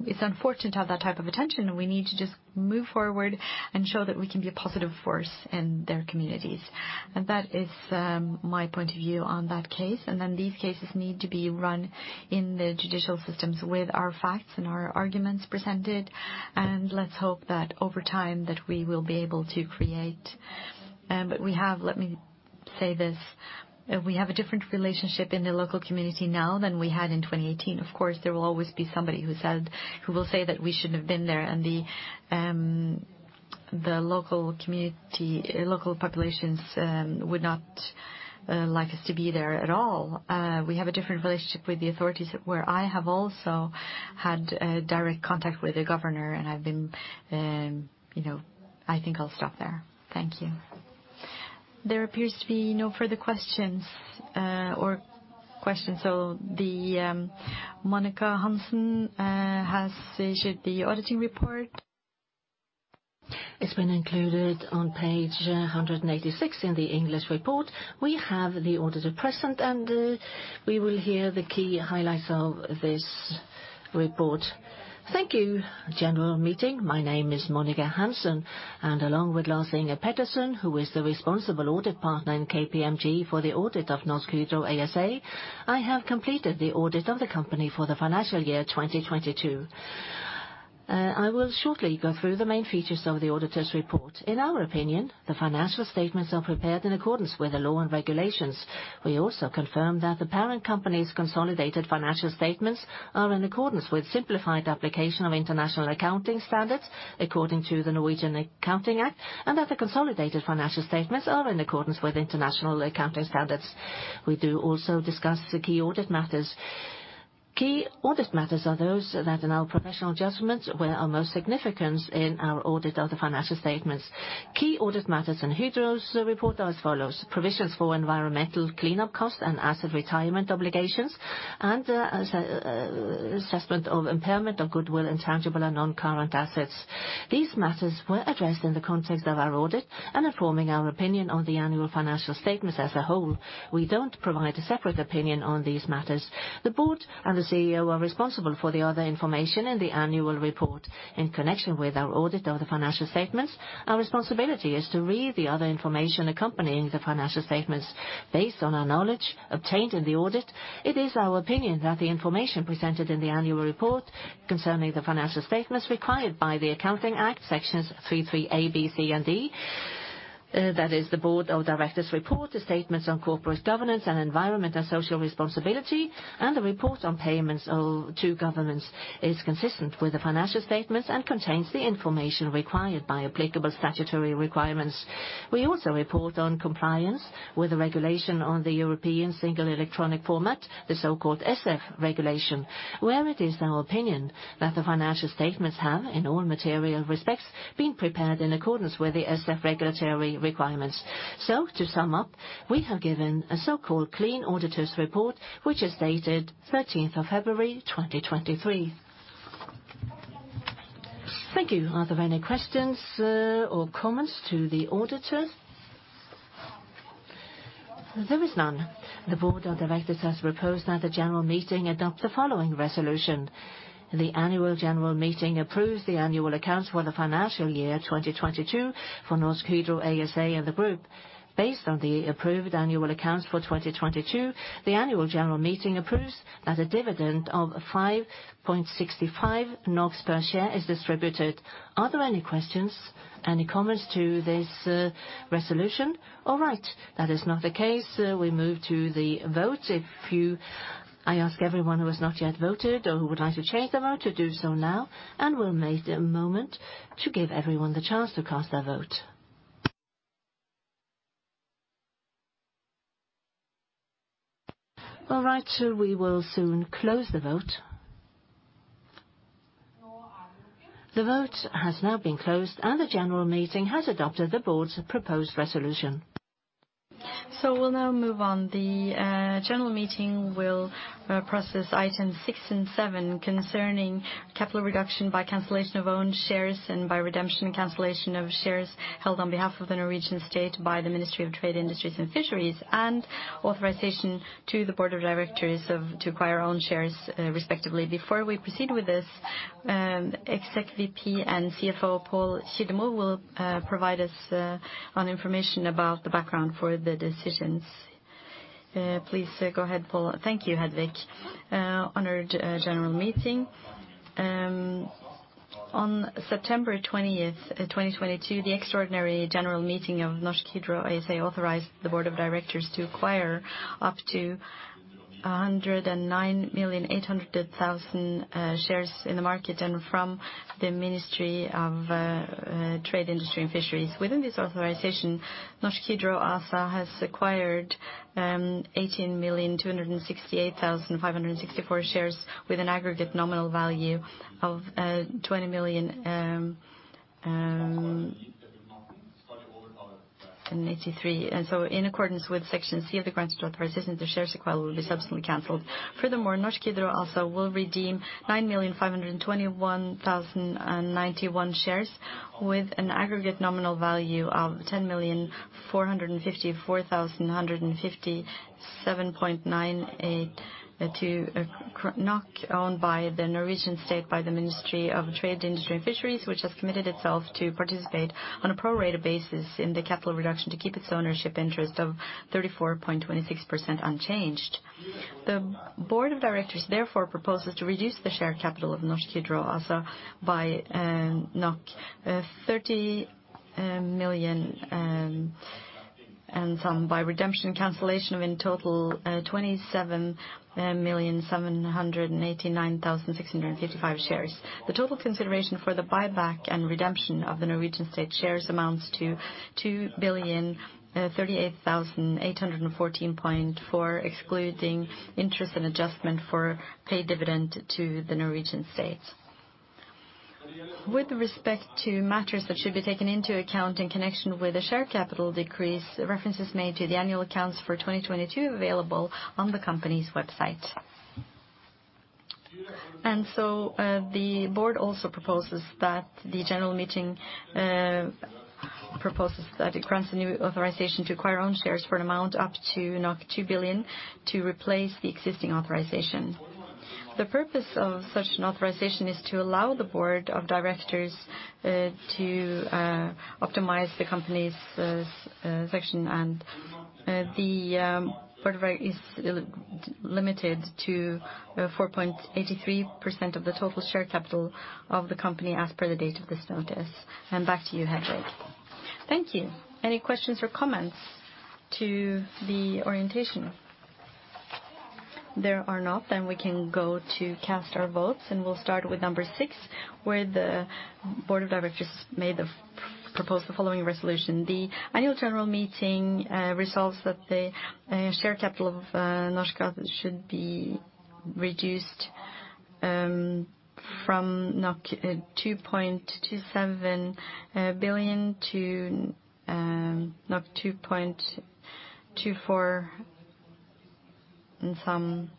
It's unfortunate to have that type of attention. We need to just move forward and show that we can be a positive force in their communities. That is my point of view on that case. These cases need to be run in the judicial systems with our facts and our arguments presented. Let's hope that over time, that we will be able to create. We have, let me say this, we have a different relationship in the local community now than we had in 2018. Of course, there will always be somebody who will say that we shouldn't have been there and the local community, local populations, would not like us to be there at all. We have a different relationship with the authorities where I have also had direct contact with the governor, and I've been, you know... I think I'll stop there. Thank you. There appears to be no further questions or questions. The Monica Hansen has issued the auditing report. It's been included on page 186 in the English report. We have the auditor present, and, we will hear the key highlights of this report. Thank you, general meeting. My name is Monica Hansen, and along with Lars Inge Pettersen, who is the responsible audit partner in KPMG for the audit of Norsk Hydro ASA, I have completed the audit of the company for the financial year 2022. I will shortly go through the main features of the auditor's report. In our opinion, the financial statements are prepared in accordance with the law and regulations. We also confirm that the parent company's consolidated financial statements are in accordance with simplified application of International Accounting Standards according to the Norwegian Accounting Act, and that the consolidated financial statements are in accordance with International Accounting Standards. We do also discuss the key audit matters. Key audit matters are those that, in our professional judgments, were of most significance in our audit of the financial statements. Key audit matters in Hydro's report are as follows: Provisions for environmental cleanup costs and asset retirement obligations, assessment of impairment of goodwill, intangible, and non-current assets. These matters were addressed in the context of our audit and are forming our opinion on the annual financial statements as a whole. We don't provide a separate opinion on these matters. The board and the CEO are responsible for the other information in the annual report. In connection with our audit of the financial statements, our responsibility is to read the other information accompanying the financial statements. Based on our knowledge obtained in the audit, it is our opinion that the information presented in the annual report concerning the financial statements required by the Accounting Act Sections 3-3 A, B, C, and D-That is the Board of Directors Report, the Statements on Corporate Governance and Environmental Social Responsibility, and the Report on Payments of Two Governments is consistent with the financial statements and contains the information required by applicable statutory requirements. We also report on compliance with the regulation on the European Single Electronic Format, the so-called ESEF regulation, where it is our opinion that the financial statements have, in all material respects, been prepared in accordance with the ESEF regulatory requirements. To sum up, we have given a so-called clean auditor's report, which is dated February 13, 2023. Thank you. Are there any questions or comments to the auditors? There is none. The board of directors has proposed that the general meeting adopt the following resolution. The annual general meeting approves the annual accounts for the financial year 2022 for Norsk Hydro ASA and the group. Based on the approved annual accounts for 2022, the annual general meeting approves that a dividend of 5.65 NOK per share is distributed. Are there any questions, any comments to this resolution? All right. That is not the case, we move to the vote. I ask everyone who has not yet voted or who would like to change their vote to do so now, and we'll make a moment to give everyone the chance to cast their vote. All right, we will soon close the vote. The vote has now been closed and the general meeting has adopted the board's proposed resolution. We'll now move on. The general meeting will process item 6 and 7 concerning capital reduction by cancellation of own shares and by redemption and cancellation of shares held on behalf of the Norwegian state by the Ministry of Trade, Industry and Fisheries, and authorization to the Board of Directors to acquire own shares, respectively. Before we proceed with this, Executive Vice President and CFO Pål Kildemo will provide us on information about the background for the decisions. Please go ahead, Pål. Thank you, Hedvig. Honored general meeting. On September 20th, 2022, the extraordinary general meeting of Norsk Hydro ASA authorized the Board of Directors to acquire up to 109,800,000 shares in the market and from the Ministry of Trade, Industry and Fisheries. Within this authorization, Norsk Hydro ASA has acquired 18,268,564 shares with an aggregate nominal value of 20 million, and 83. In accordance with Section C of the grants participation, the shares acquired will be subsequently canceled. Furthermore, Norsk Hydro ASA will redeem 9,521,091 shares with an aggregate nominal value of 10,454,157.98 NOK owned by the Norwegian state by the Ministry of Trade, Industry, and Fisheries, which has committed itself to participate on a pro rata basis in the capital reduction to keep its ownership interest of 34.26% unchanged. The board of directors therefore proposes to reduce the share capital of Norsk Hydro ASA by 30 million and some by redemption and cancellation of in total 27,789,655 shares. The total consideration for the buyback and redemption of the Norwegian state shares amounts to 2,038,814.4, excluding interest and adjustment for paid dividend to the Norwegian state. With respect to matters that should be taken into account in connection with the share capital decrease, reference is made to the annual accounts for 2022 available on the company's website. The board also proposes that the general meeting proposes that it grants a new authorization to acquire own shares for an amount up to 2 billion to replace the existing authorization. The purpose of such an authorization is to allow the board of directors to optimize the company's section, the board of directors is limited to 4.83% of the total share capital of the company as per the date of this notice. Back to you, Hedvig. Thank you. Any questions or comments to the orientation? There are not. We can go to cast our votes. We'll start with number 6, where the board of directors made the proposed the following resolution. The annual general meeting resolves that the share capital of Norsk should be reduced from 2.27 billion to 2.24 and some.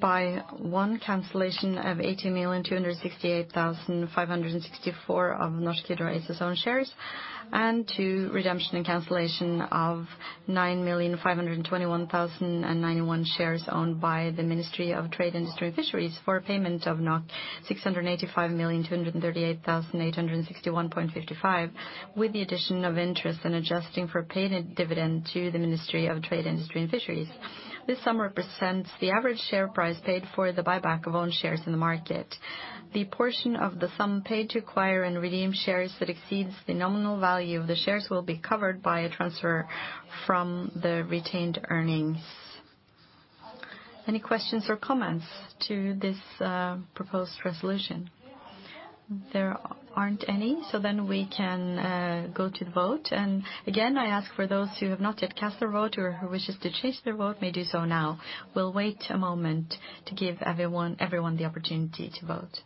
By one, cancellation of 18,268,564 of Norsk Hydro ASA's own shares, and two, redemption and cancellation of 9,521,091 shares owned by the Ministry of Trade, Industry, and Fisheries for payment of 685,238,861.55, with the addition of interest and adjusting for paid dividend to the Ministry of Trade, Industry, and Fisheries. This sum represents the average share price paid for the buyback of own shares in the market. The portion of the sum paid to acquire and redeem shares that exceeds the nominal value of the shares will be covered by a transfer from the retained earnings. Any questions or comments to this proposed resolution? There aren't any. We can go to the vote. Again, I ask for those who have not yet cast their vote or who wishes to change their vote may do so now. We'll wait a moment to give everyone the opportunity to vote.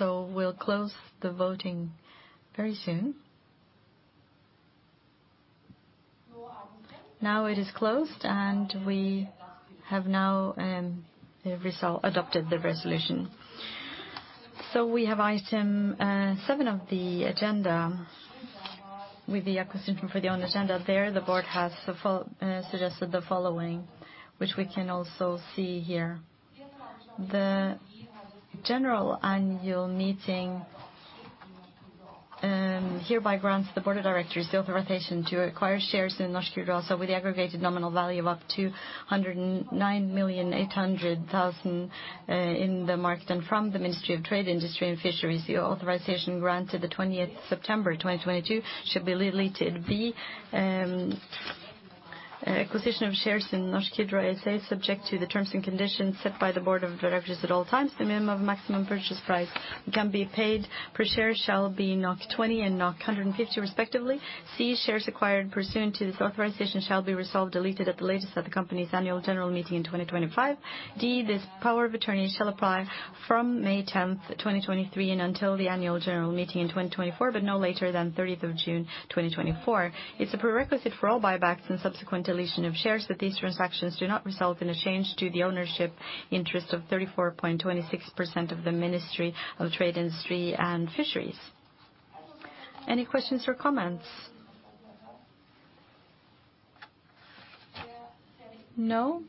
We'll close the voting very soon. Now it is closed. We have now adopted the resolution. We have item 7 of the agenda. With the acquisition for the agenda there, the board has suggested the following, which we can also see here. The general annual meeting hereby grants the board of directors the authorization to acquire shares in Norsk Hydro with the aggregated nominal value of up to 109,800,000 in the market and from the Ministry of Trade, Industry and Fisheries. The authorization granted the 20th September 2022 shall be deleted. B, acquisition of shares in Norsk Hydro ASA subject to the terms and conditions set by the board of directors at all times. The minimum of maximum purchase price can be paid per share shall be 20 and 150 respectively. C, shares acquired pursuant to this authorization shall be resolved, deleted at the latest at the company's annual general meeting in 2025. This power of attorney shall apply from May 10, 2023, and until the annual general meeting in 2024, but no later than June 30, 2024. It's a prerequisite for all buybacks and subsequent deletion of shares that these transactions do not result in a change to the ownership interest of 34.26% of the Ministry of Trade, Industry and Fisheries. Any questions or comments? No.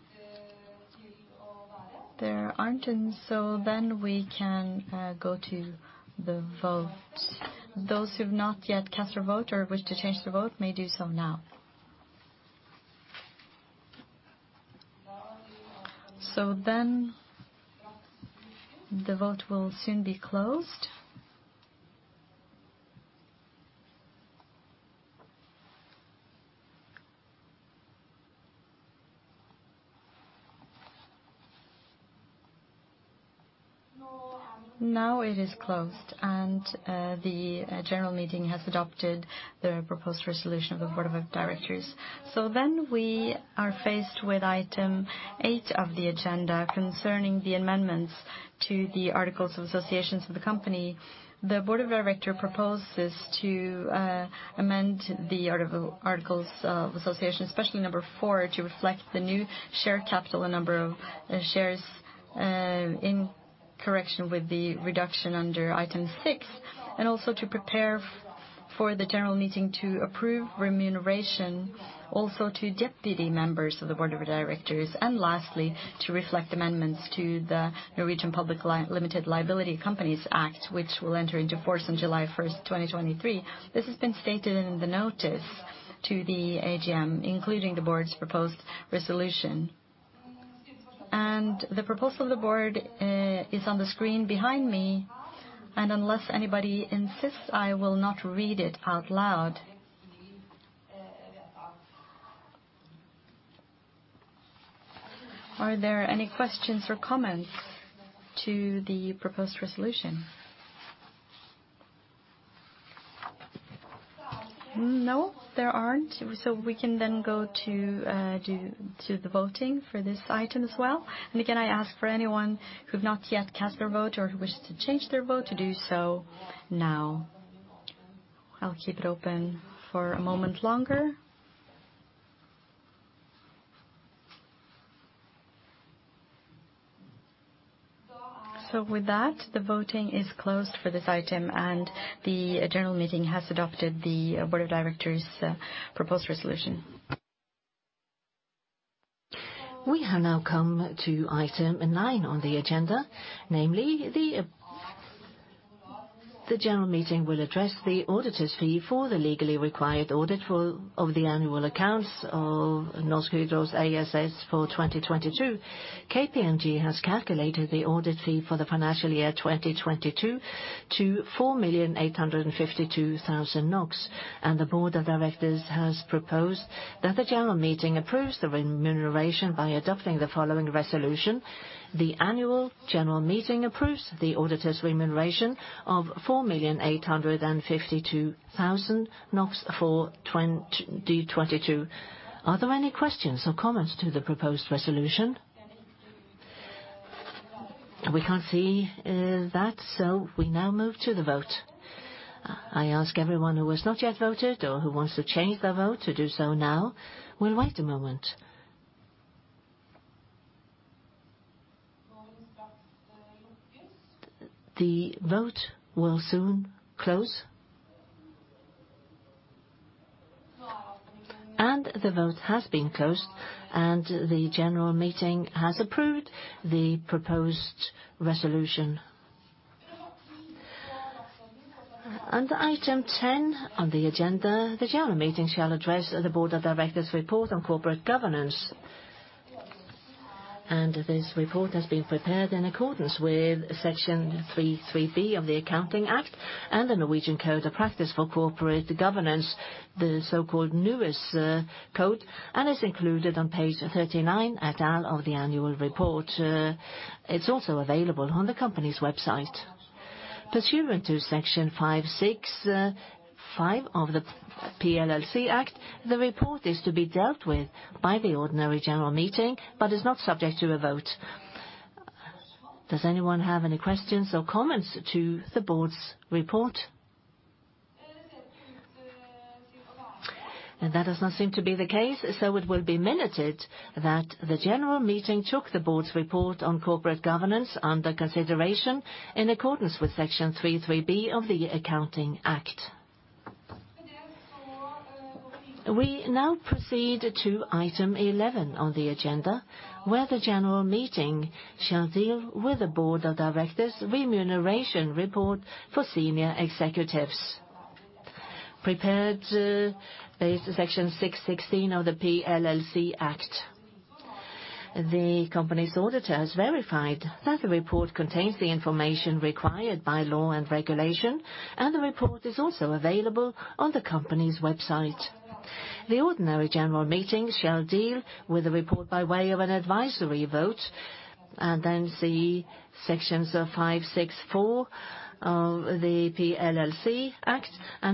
There aren't, and so then we can go to the vote. Those who've not yet cast their vote or wish to change their vote may do so now. The vote will soon be closed. Now it is closed, and the general meeting has adopted the proposed resolution of the board of directors. We are faced with item 8 of the agenda concerning the amendments to the articles of associations of the company. The board of director proposes to amend the articles of association, especially number 4, to reflect the new share capital and number of shares in correction with the reduction under item 6, and also to prepare for the general meeting to approve remuneration also to deputy members of the board of directors. Lastly, to reflect amendments to the Norwegian Public Limited Liability Companies Act, which will enter into force on July first, 2023. This has been stated in the notice to the AGM, including the board's proposed resolution. The proposal of the board is on the screen behind me, and unless anybody insists, I will not read it out loud. Are there any questions or comments to the proposed resolution? No, there aren't. We can then go to the voting for this item as well. Again, I ask for anyone who've not yet cast their vote or who wishes to change their vote to do so now. I'll keep it open for a moment longer. With that, the voting is closed for this item, and the general meeting has adopted the board of directors' proposed resolution. We have now come to item nine on the agenda, namely the general meeting will address the auditor's fee for the legally required audit of the annual accounts of Norsk Hydro ASA for 2022. KPMG has calculated the audit fee for the financial year 2022 to 4,852,000 NOK. The board of directors has proposed that the general meeting approves the remuneration by adopting the following resolution. The annual general meeting approves the auditor's remuneration of 4,852,000 NOK for 2022. Are there any questions or comments to the proposed resolution? We can't see that, so we now move to the vote. I ask everyone who has not yet voted or who wants to change their vote to do so now. We'll wait a moment. The vote will soon close. The vote has been closed, and the general meeting has approved the proposed resolution Under Item 10 on the agenda, the general meeting shall address the board of directors' report on corporate governance. This report has been prepared in accordance with Section 3-3 B of the Accounting Act and the Norwegian Code of Practice for Corporate Governance, the so-called NUES code, and is included on page 39 et al of the annual report. It's also available on the company's website. Pursuant to Section 5-65 of the PLLC Act, the report is to be dealt with by the ordinary general meeting, but is not subject to a vote. Does anyone have any questions or comments to the board's report? That does not seem to be the case, so it will be minuted that the general meeting took the board's report on corporate governance under consideration in accordance with Section 3-3 B of the Accounting Act. We now proceed to Item 11 on the agenda, where the general meeting shall deal with the board of directors remuneration report for senior executives. Prepared, based on Section 616 of the PLLC Act. The company's auditor has verified that the report contains the information required by law and regulation, and the report is also available on the company's website. The ordinary general meeting shall deal with the report by way of an advisory vote and then see sections 564 of the PLLC Act.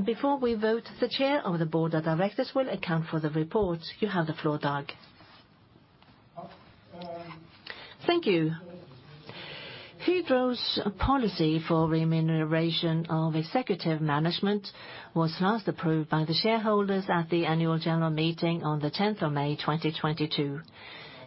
Before we vote, the Chair of the Board of Directors will account for the report. You have the floor, Dag. Thank you. Hydro's policy for remuneration of executive management was last approved by the shareholders at the annual general meeting on the 10th of May, 2022.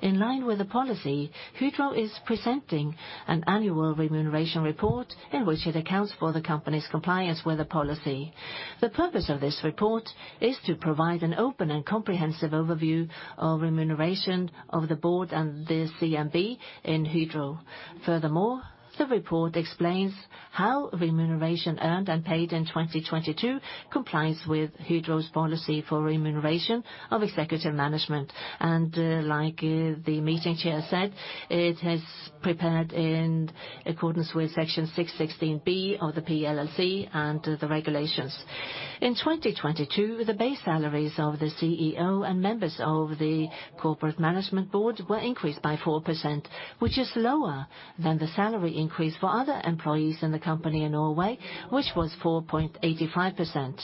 In line with the policy, Hydro is presenting an annual remuneration report in which it accounts for the company's compliance with the policy. The purpose of this report is to provide an open and comprehensive overview of remuneration of the board and the CMB in Hydro. Furthermore, the report explains how remuneration earned and paid in 2022 complies with Hydro's policy for remuneration of executive management. Like the meeting chair said, it is prepared in accordance with Section 6-16 B of the PLLC and the regulations. In 2022, the base salaries of the CEO and members of the corporate management board were increased by 4%, which is lower than the salary increase for other employees in the company in Norway, which was 4.85%.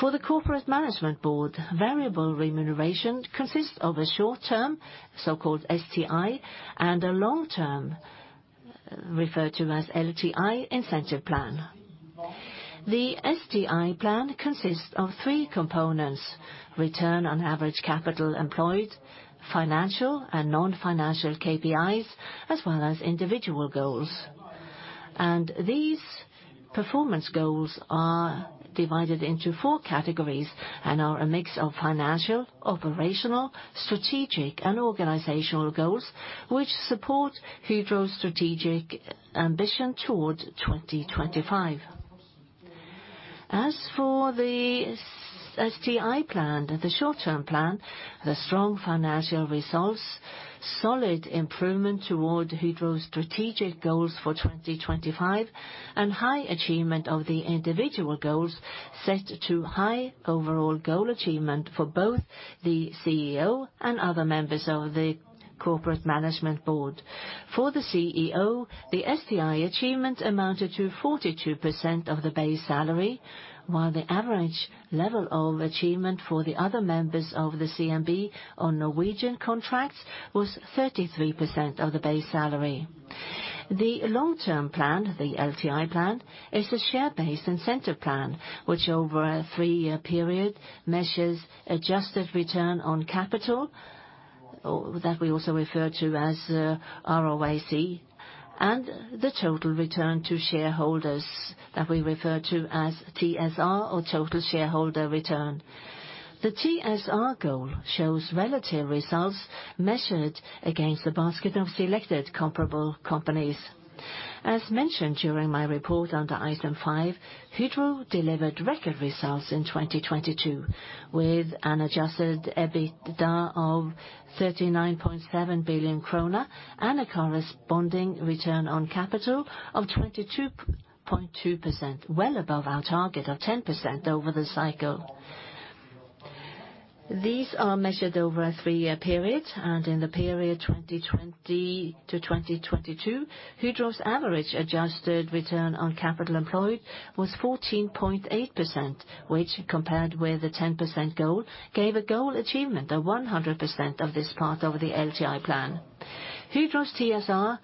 For the corporate management board, variable remuneration consists of a short-term, so-called STI, and a long-term, referred to as LTI, incentive plan. The STI plan consists of three components: return on average capital employed, financial and non-financial KPIs, as well as individual goals. These performance goals are divided into four categories and are a mix of financial, operational, strategic, and organizational goals, which support Hydro's strategic ambition towards 2025. As for the STI plan, the short-term plan, the strong financial results, solid improvement toward Hydro's strategic goals for 2025, and high achievement of the individual goals set to high overall goal achievement for both the CEO and other members of the corporate management board. For the CEO, the STI achievement amounted to 42% of the base salary, while the average level of achievement for the other members of the CMB on Norwegian contracts was 33% of the base salary. The long-term plan, the LTI plan, is a share-based incentive plan, which over a three-year period measures adjusted return on capital, or that we also refer to as ROAC, and the total return to shareholders that we refer to as TSR or total shareholder return. The TSR goal shows relative results measured against a basket of selected comparable companies. As mentioned during my report under Item 5, Hydro delivered record results in 2022, with an adjusted EBITDA of 39.7 billion krone and a corresponding return on capital of 22.2%, well above our target of 10% over the cycle. These are measured over a three-year period. In the period 2020 to 2022, Hydro's average adjusted return on capital employed was 14.8%, which compared with the 10% goal, gave a goal achievement of 100% of this part of the LTI plan. Hydro's TSR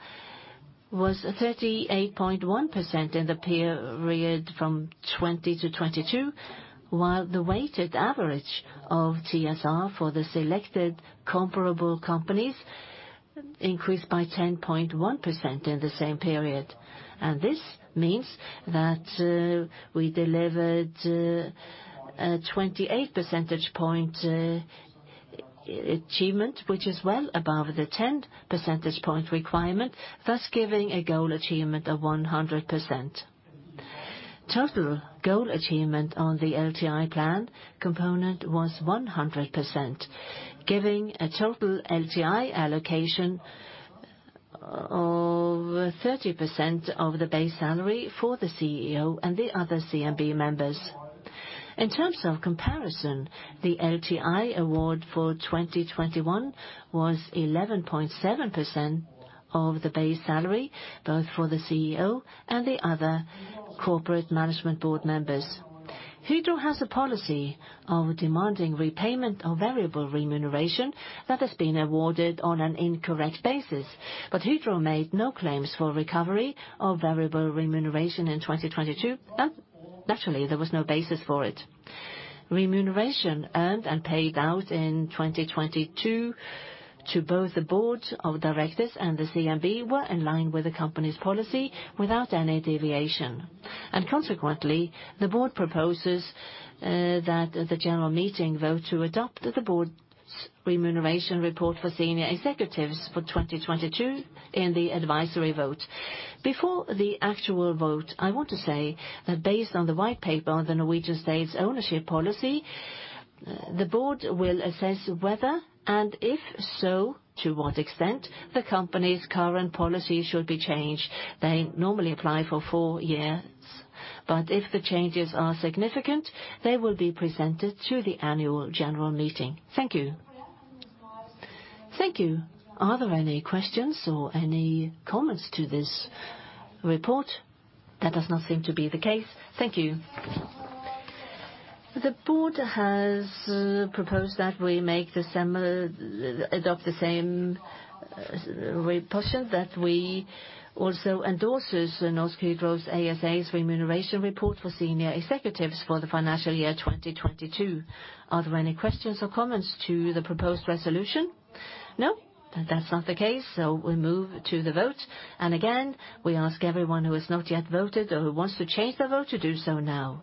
was 38.1% in the period from 2020 to 2022, while the weighted average of TSR for the selected comparable companies increased by 10.1% in the same period. This means that we delivered a 28 percentage point excess achievement, which is well above the 10 percentage point requirement, thus giving a goal achievement of 100%. Total goal achievement on the LTI plan component was 100%, giving a total LTI allocation of 30% of the base salary for the CEO and the other CMB members. In terms of comparison, the LTI award for 2021 was 11.7% of the base salary, both for the CEO and the other corporate management board members. Hydro has a policy of demanding repayment of variable remuneration that has been awarded on an incorrect basis. Hydro made no claims for recovery of variable remuneration in 2022. Naturally, there was no basis for it. Remuneration earned and paid out in 2022 to both the board of directors and the CMB were in line with the company's policy without any deviation. Consequently, the board proposes that the general meeting vote to adopt the board's remuneration report for senior executives for 2022 in the advisory vote. Before the actual vote, I want to say that based on the white paper, the Norwegian State's ownership policy, the board will assess whether, and if so, to what extent, the company's current policy should be changed. They normally apply for 4 years. If the changes are significant, they will be presented to the annual general meeting. Thank you. Thank you. Are there any questions or any comments to this report? That does not seem to be the case. Thank you. The board has proposed that we make the same, adopt the same position that we also endorses the Norsk Hydro ASA's remuneration report for senior executives for the financial year 2022. Are there any questions or comments to the proposed resolution? No? That's not the case. We move to the vote. Again, we ask everyone who has not yet voted or who wants to change their vote to do so now.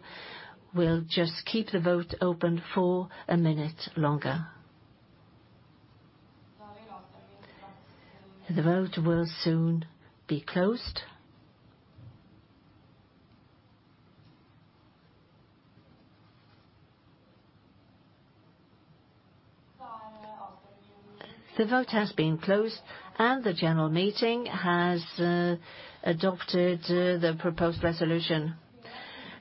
We'll just keep the vote open for a minute longer. The vote will soon be closed. The vote has been closed, the general meeting has adopted the proposed resolution.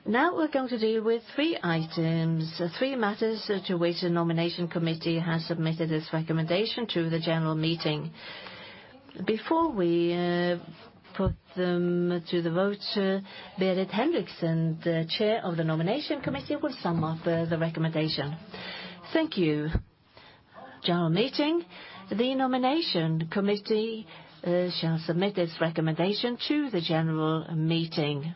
We're going to deal with 3 items, 3 matters to which the Nomination Committee has submitted its recommendation to the general meeting. Before we put them to the vote, Berit Henriksen, the Chair of the Nomination Committee, will sum up the recommendation. Thank you. General meeting, the Nomination Committee shall submit its recommendation to the general meeting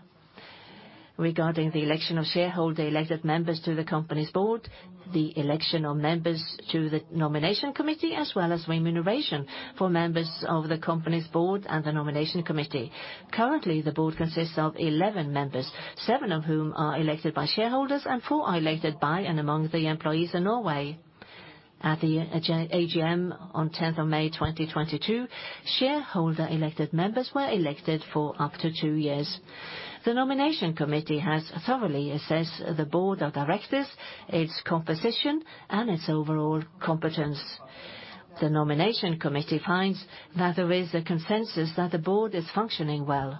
regarding the election of shareholder-elected members to the company's board, the election of members to the Nomination Committee, as well as remuneration for members of the company's board and the Nomination Committee. Currently, the Board consists of 11 members, 7 of whom are elected by shareholders and 4 are elected by and among the employees in Norway. At the AGM on 10th of May 2022, shareholder-elected members were elected for up to 2 years. The Nomination Committee has thoroughly assessed the Board of Directors, its composition, and its overall competence. The Nomination Committee finds that there is a consensus that the Board is functioning well,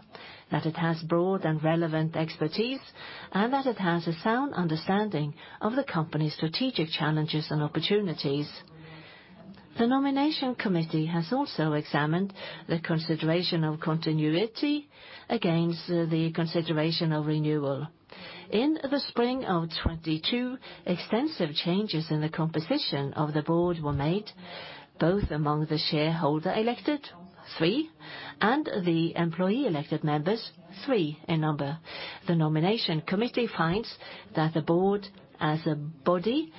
that it has broad and relevant expertise, and that it has a sound understanding of the company's strategic challenges and opportunities. The Nomination Committee has also examined the consideration of continuity against the consideration of renewal. In the spring of 2022, extensive changes in the composition of the Board were made, both among the shareholder-elected, 3, and the employee-elected members, 3 in number. The nomination committee finds that the board as a body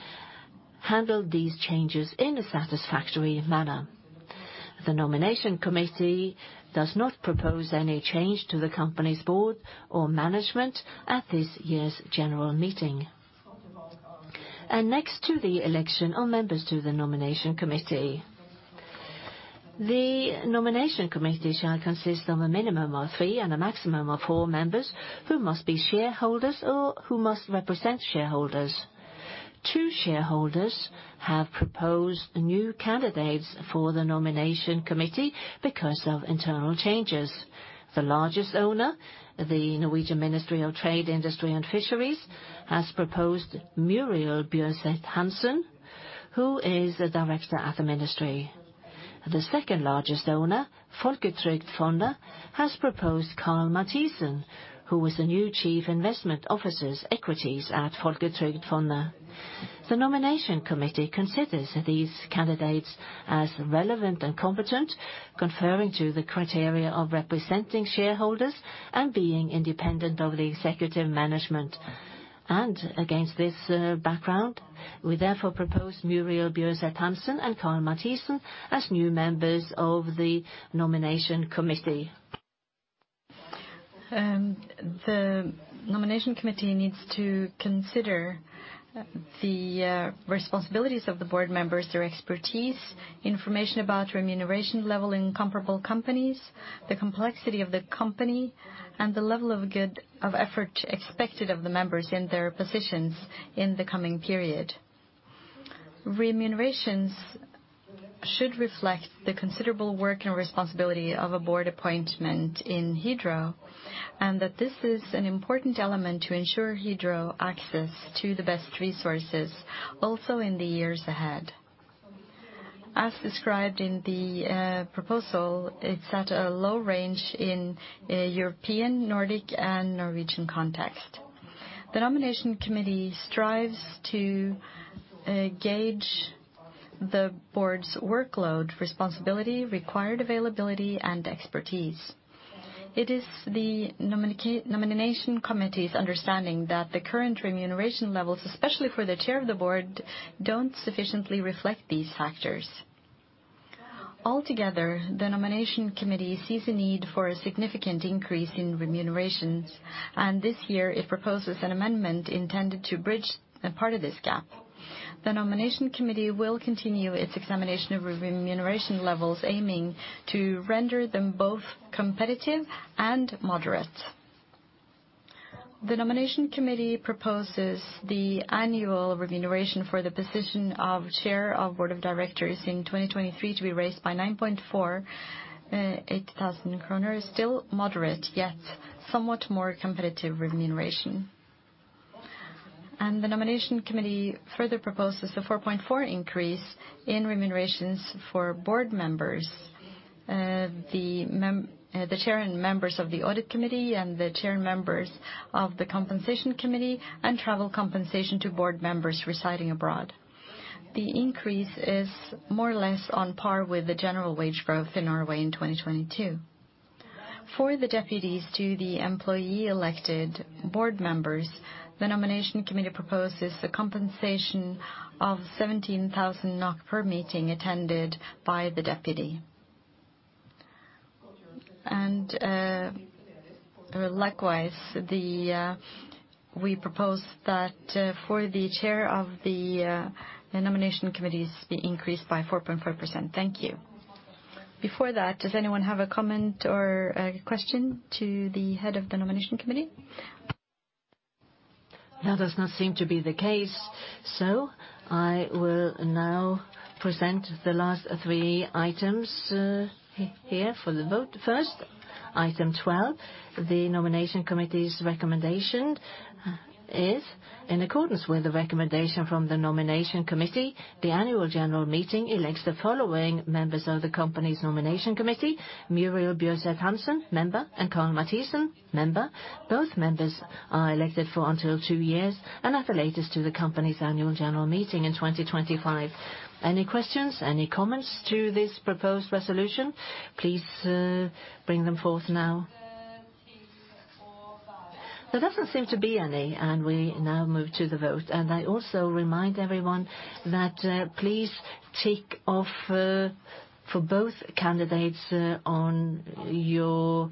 handled these changes in a satisfactory manner. The nomination committee does not propose any change to the company's board or management at this year's general meeting. Next to the election are members to the nomination committee. The nomination committee shall consist of a minimum of three and a maximum of four members who must be shareholders or who must represent shareholders. Two shareholders have proposed new candidates for the nomination committee because of internal changes. The largest owner, the Norwegian Ministry of Trade, Industry and Fisheries, has proposed Muriel Bjørseth Hansen, who is the director at the ministry. The second-largest owner, Folketrygdfondet, has proposed Karl Mathisen, who is the new Chief Investment Officer, Equities at Folketrygdfondet. The Nomination Committee considers these candidates as relevant and competent, conferring to the criteria of representing shareholders and being independent of the executive management. Against this background, we therefore propose Muriel Bjørseth Hansen and Karl Mathisen as new members of the Nomination Committee. The Nomination Committee needs to consider the responsibilities of the board members, their expertise, information about remuneration level in comparable companies, the complexity of the company, and the level of effort expected of the members in their positions in the coming period. Remunerations should reflect the considerable work and responsibility of a board appointment in Hydro. This is an important element to ensure Hydro access to the best resources, also in the years ahead. As described in the proposal, it's at a low range in a European, Nordic, and Norwegian context. The Nomination Committee strives to gauge the board's workload, responsibility, required availability, and expertise. It is the Nomination Committee's understanding that the current remuneration levels, especially for the Chair of the Board, don't sufficiently reflect these factors. Altogether, the nomination committee sees a need for a significant increase in remunerations, and this year it proposes an amendment intended to bridge a part of this gap. The nomination committee will continue its examination of remuneration levels, aiming to render them both competitive and moderate. The nomination committee proposes the annual remuneration for the position of chair of board of directors in 2023 to be raised by 94,800 kroner still moderate, yet somewhat more competitive remuneration. The nomination committee further proposes a 4.4% increase in remunerations for board members, the chair and members of the audit committee and the chair and members of the compensation committee and travel compensation to board members residing abroad. The increase is more or less on par with the general wage growth in Norway in 2022. For the deputies to the employee elected board members, the Nomination Committee proposes the compensation of 17,000 NOK per meeting attended by the deputy. Likewise, we propose that for the chair of the Nomination Committees be increased by 4.4%. Thank you. Before that, does anyone have a comment or a question to the head of the Nomination Committee? That does not seem to be the case. I will now present the last three items here for the vote. First, item 12, the Nomination Committee's recommendation is in accordance with the recommendation from the Nomination Committee. The annual general meeting elects the following members of the company's Nomination Committee: Muriel Bjørseth Hansen, member, and Karl Mathisen, member. Both members are elected for until 2 years and at the latest to the company's annual general meeting in 2025. Any questions, any comments to this proposed resolution? Please bring them forth now. There doesn't seem to be any. We now move to the vote. I also remind everyone that please tick off for both candidates on your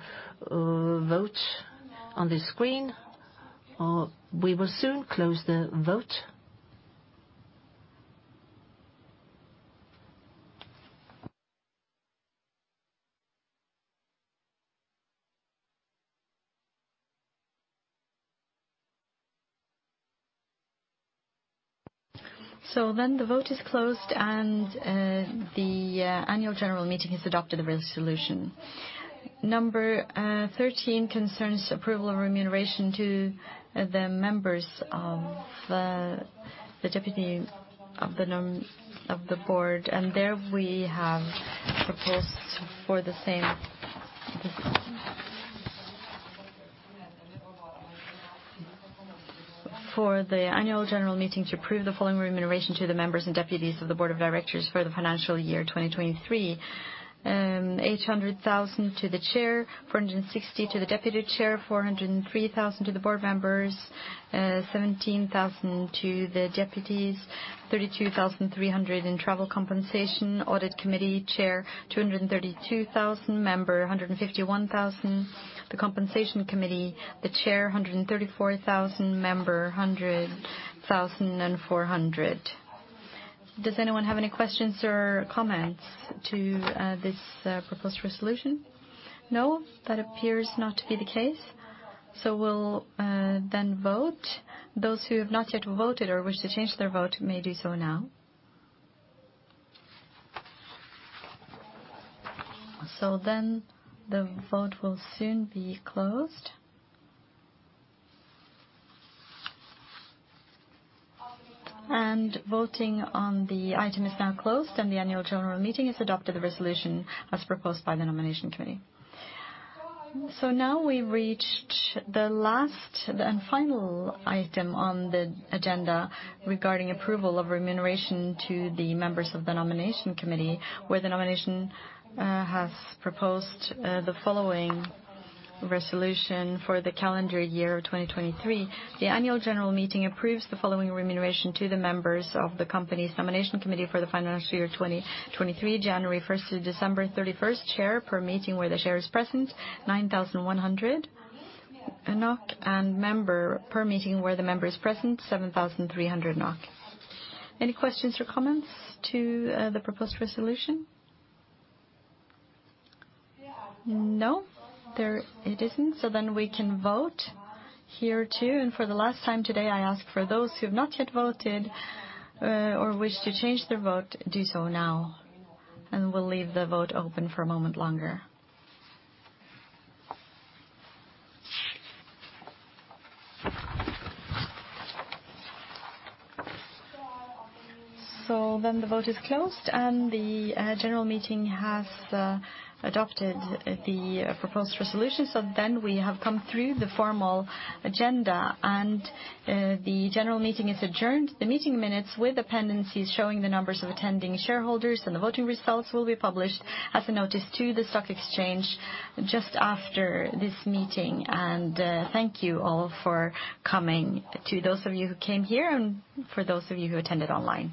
vote on the screen, or we will soon close the vote. The vote is closed, and the annual general meeting has adopted the resolution. Number 13 concerns approval of remuneration to the members of the deputy of the board. There we have proposed for the annual general meeting to approve the following remuneration to the members and deputies of the board of directors for the financial year 2023. 800,000 to the chair, 460 to the deputy chair, 403,000 to the board members, 17,000 to the deputies, 32,300 in travel compensation. Audit committee chair, 232,000. Member, 151,000. The compensation committee, the chair, 134,000. Member, 100,400. Does anyone have any questions or comments to this proposed resolution? No, that appears not to be the case. We'll then vote. Those who have not yet voted or wish to change their vote may do so now. The vote will soon be closed. Voting on the item is now closed, and the annual general meeting has adopted the resolution as proposed by the nomination committee. Now we've reached the last and final item on the agenda regarding approval of remuneration to the members of the nomination committee, where the nomination has proposed the following resolution for the calendar year of 2023. The annual general meeting approves the following remuneration to the members of the company's nomination committee for the financial year 2023, January first to December 31st. Chair, per meeting where the chair is present, 9,100. Member, per meeting where the member is present, 7,300 NOK. Any questions or comments to the proposed resolution? No, there it isn't. We can vote here too. For the last time today, I ask for those who have not yet voted or wish to change their vote, do so now. We'll leave the vote open for a moment longer. The vote is closed, and the general meeting has adopted the proposed resolution. We have come through the formal agenda, and the general meeting is adjourned. The meeting minutes with appendices showing the numbers of attending shareholders and the voting results will be published as a notice to the stock exchange just after this meeting. Thank you all for coming. To those of you who came here and for those of you who attended online.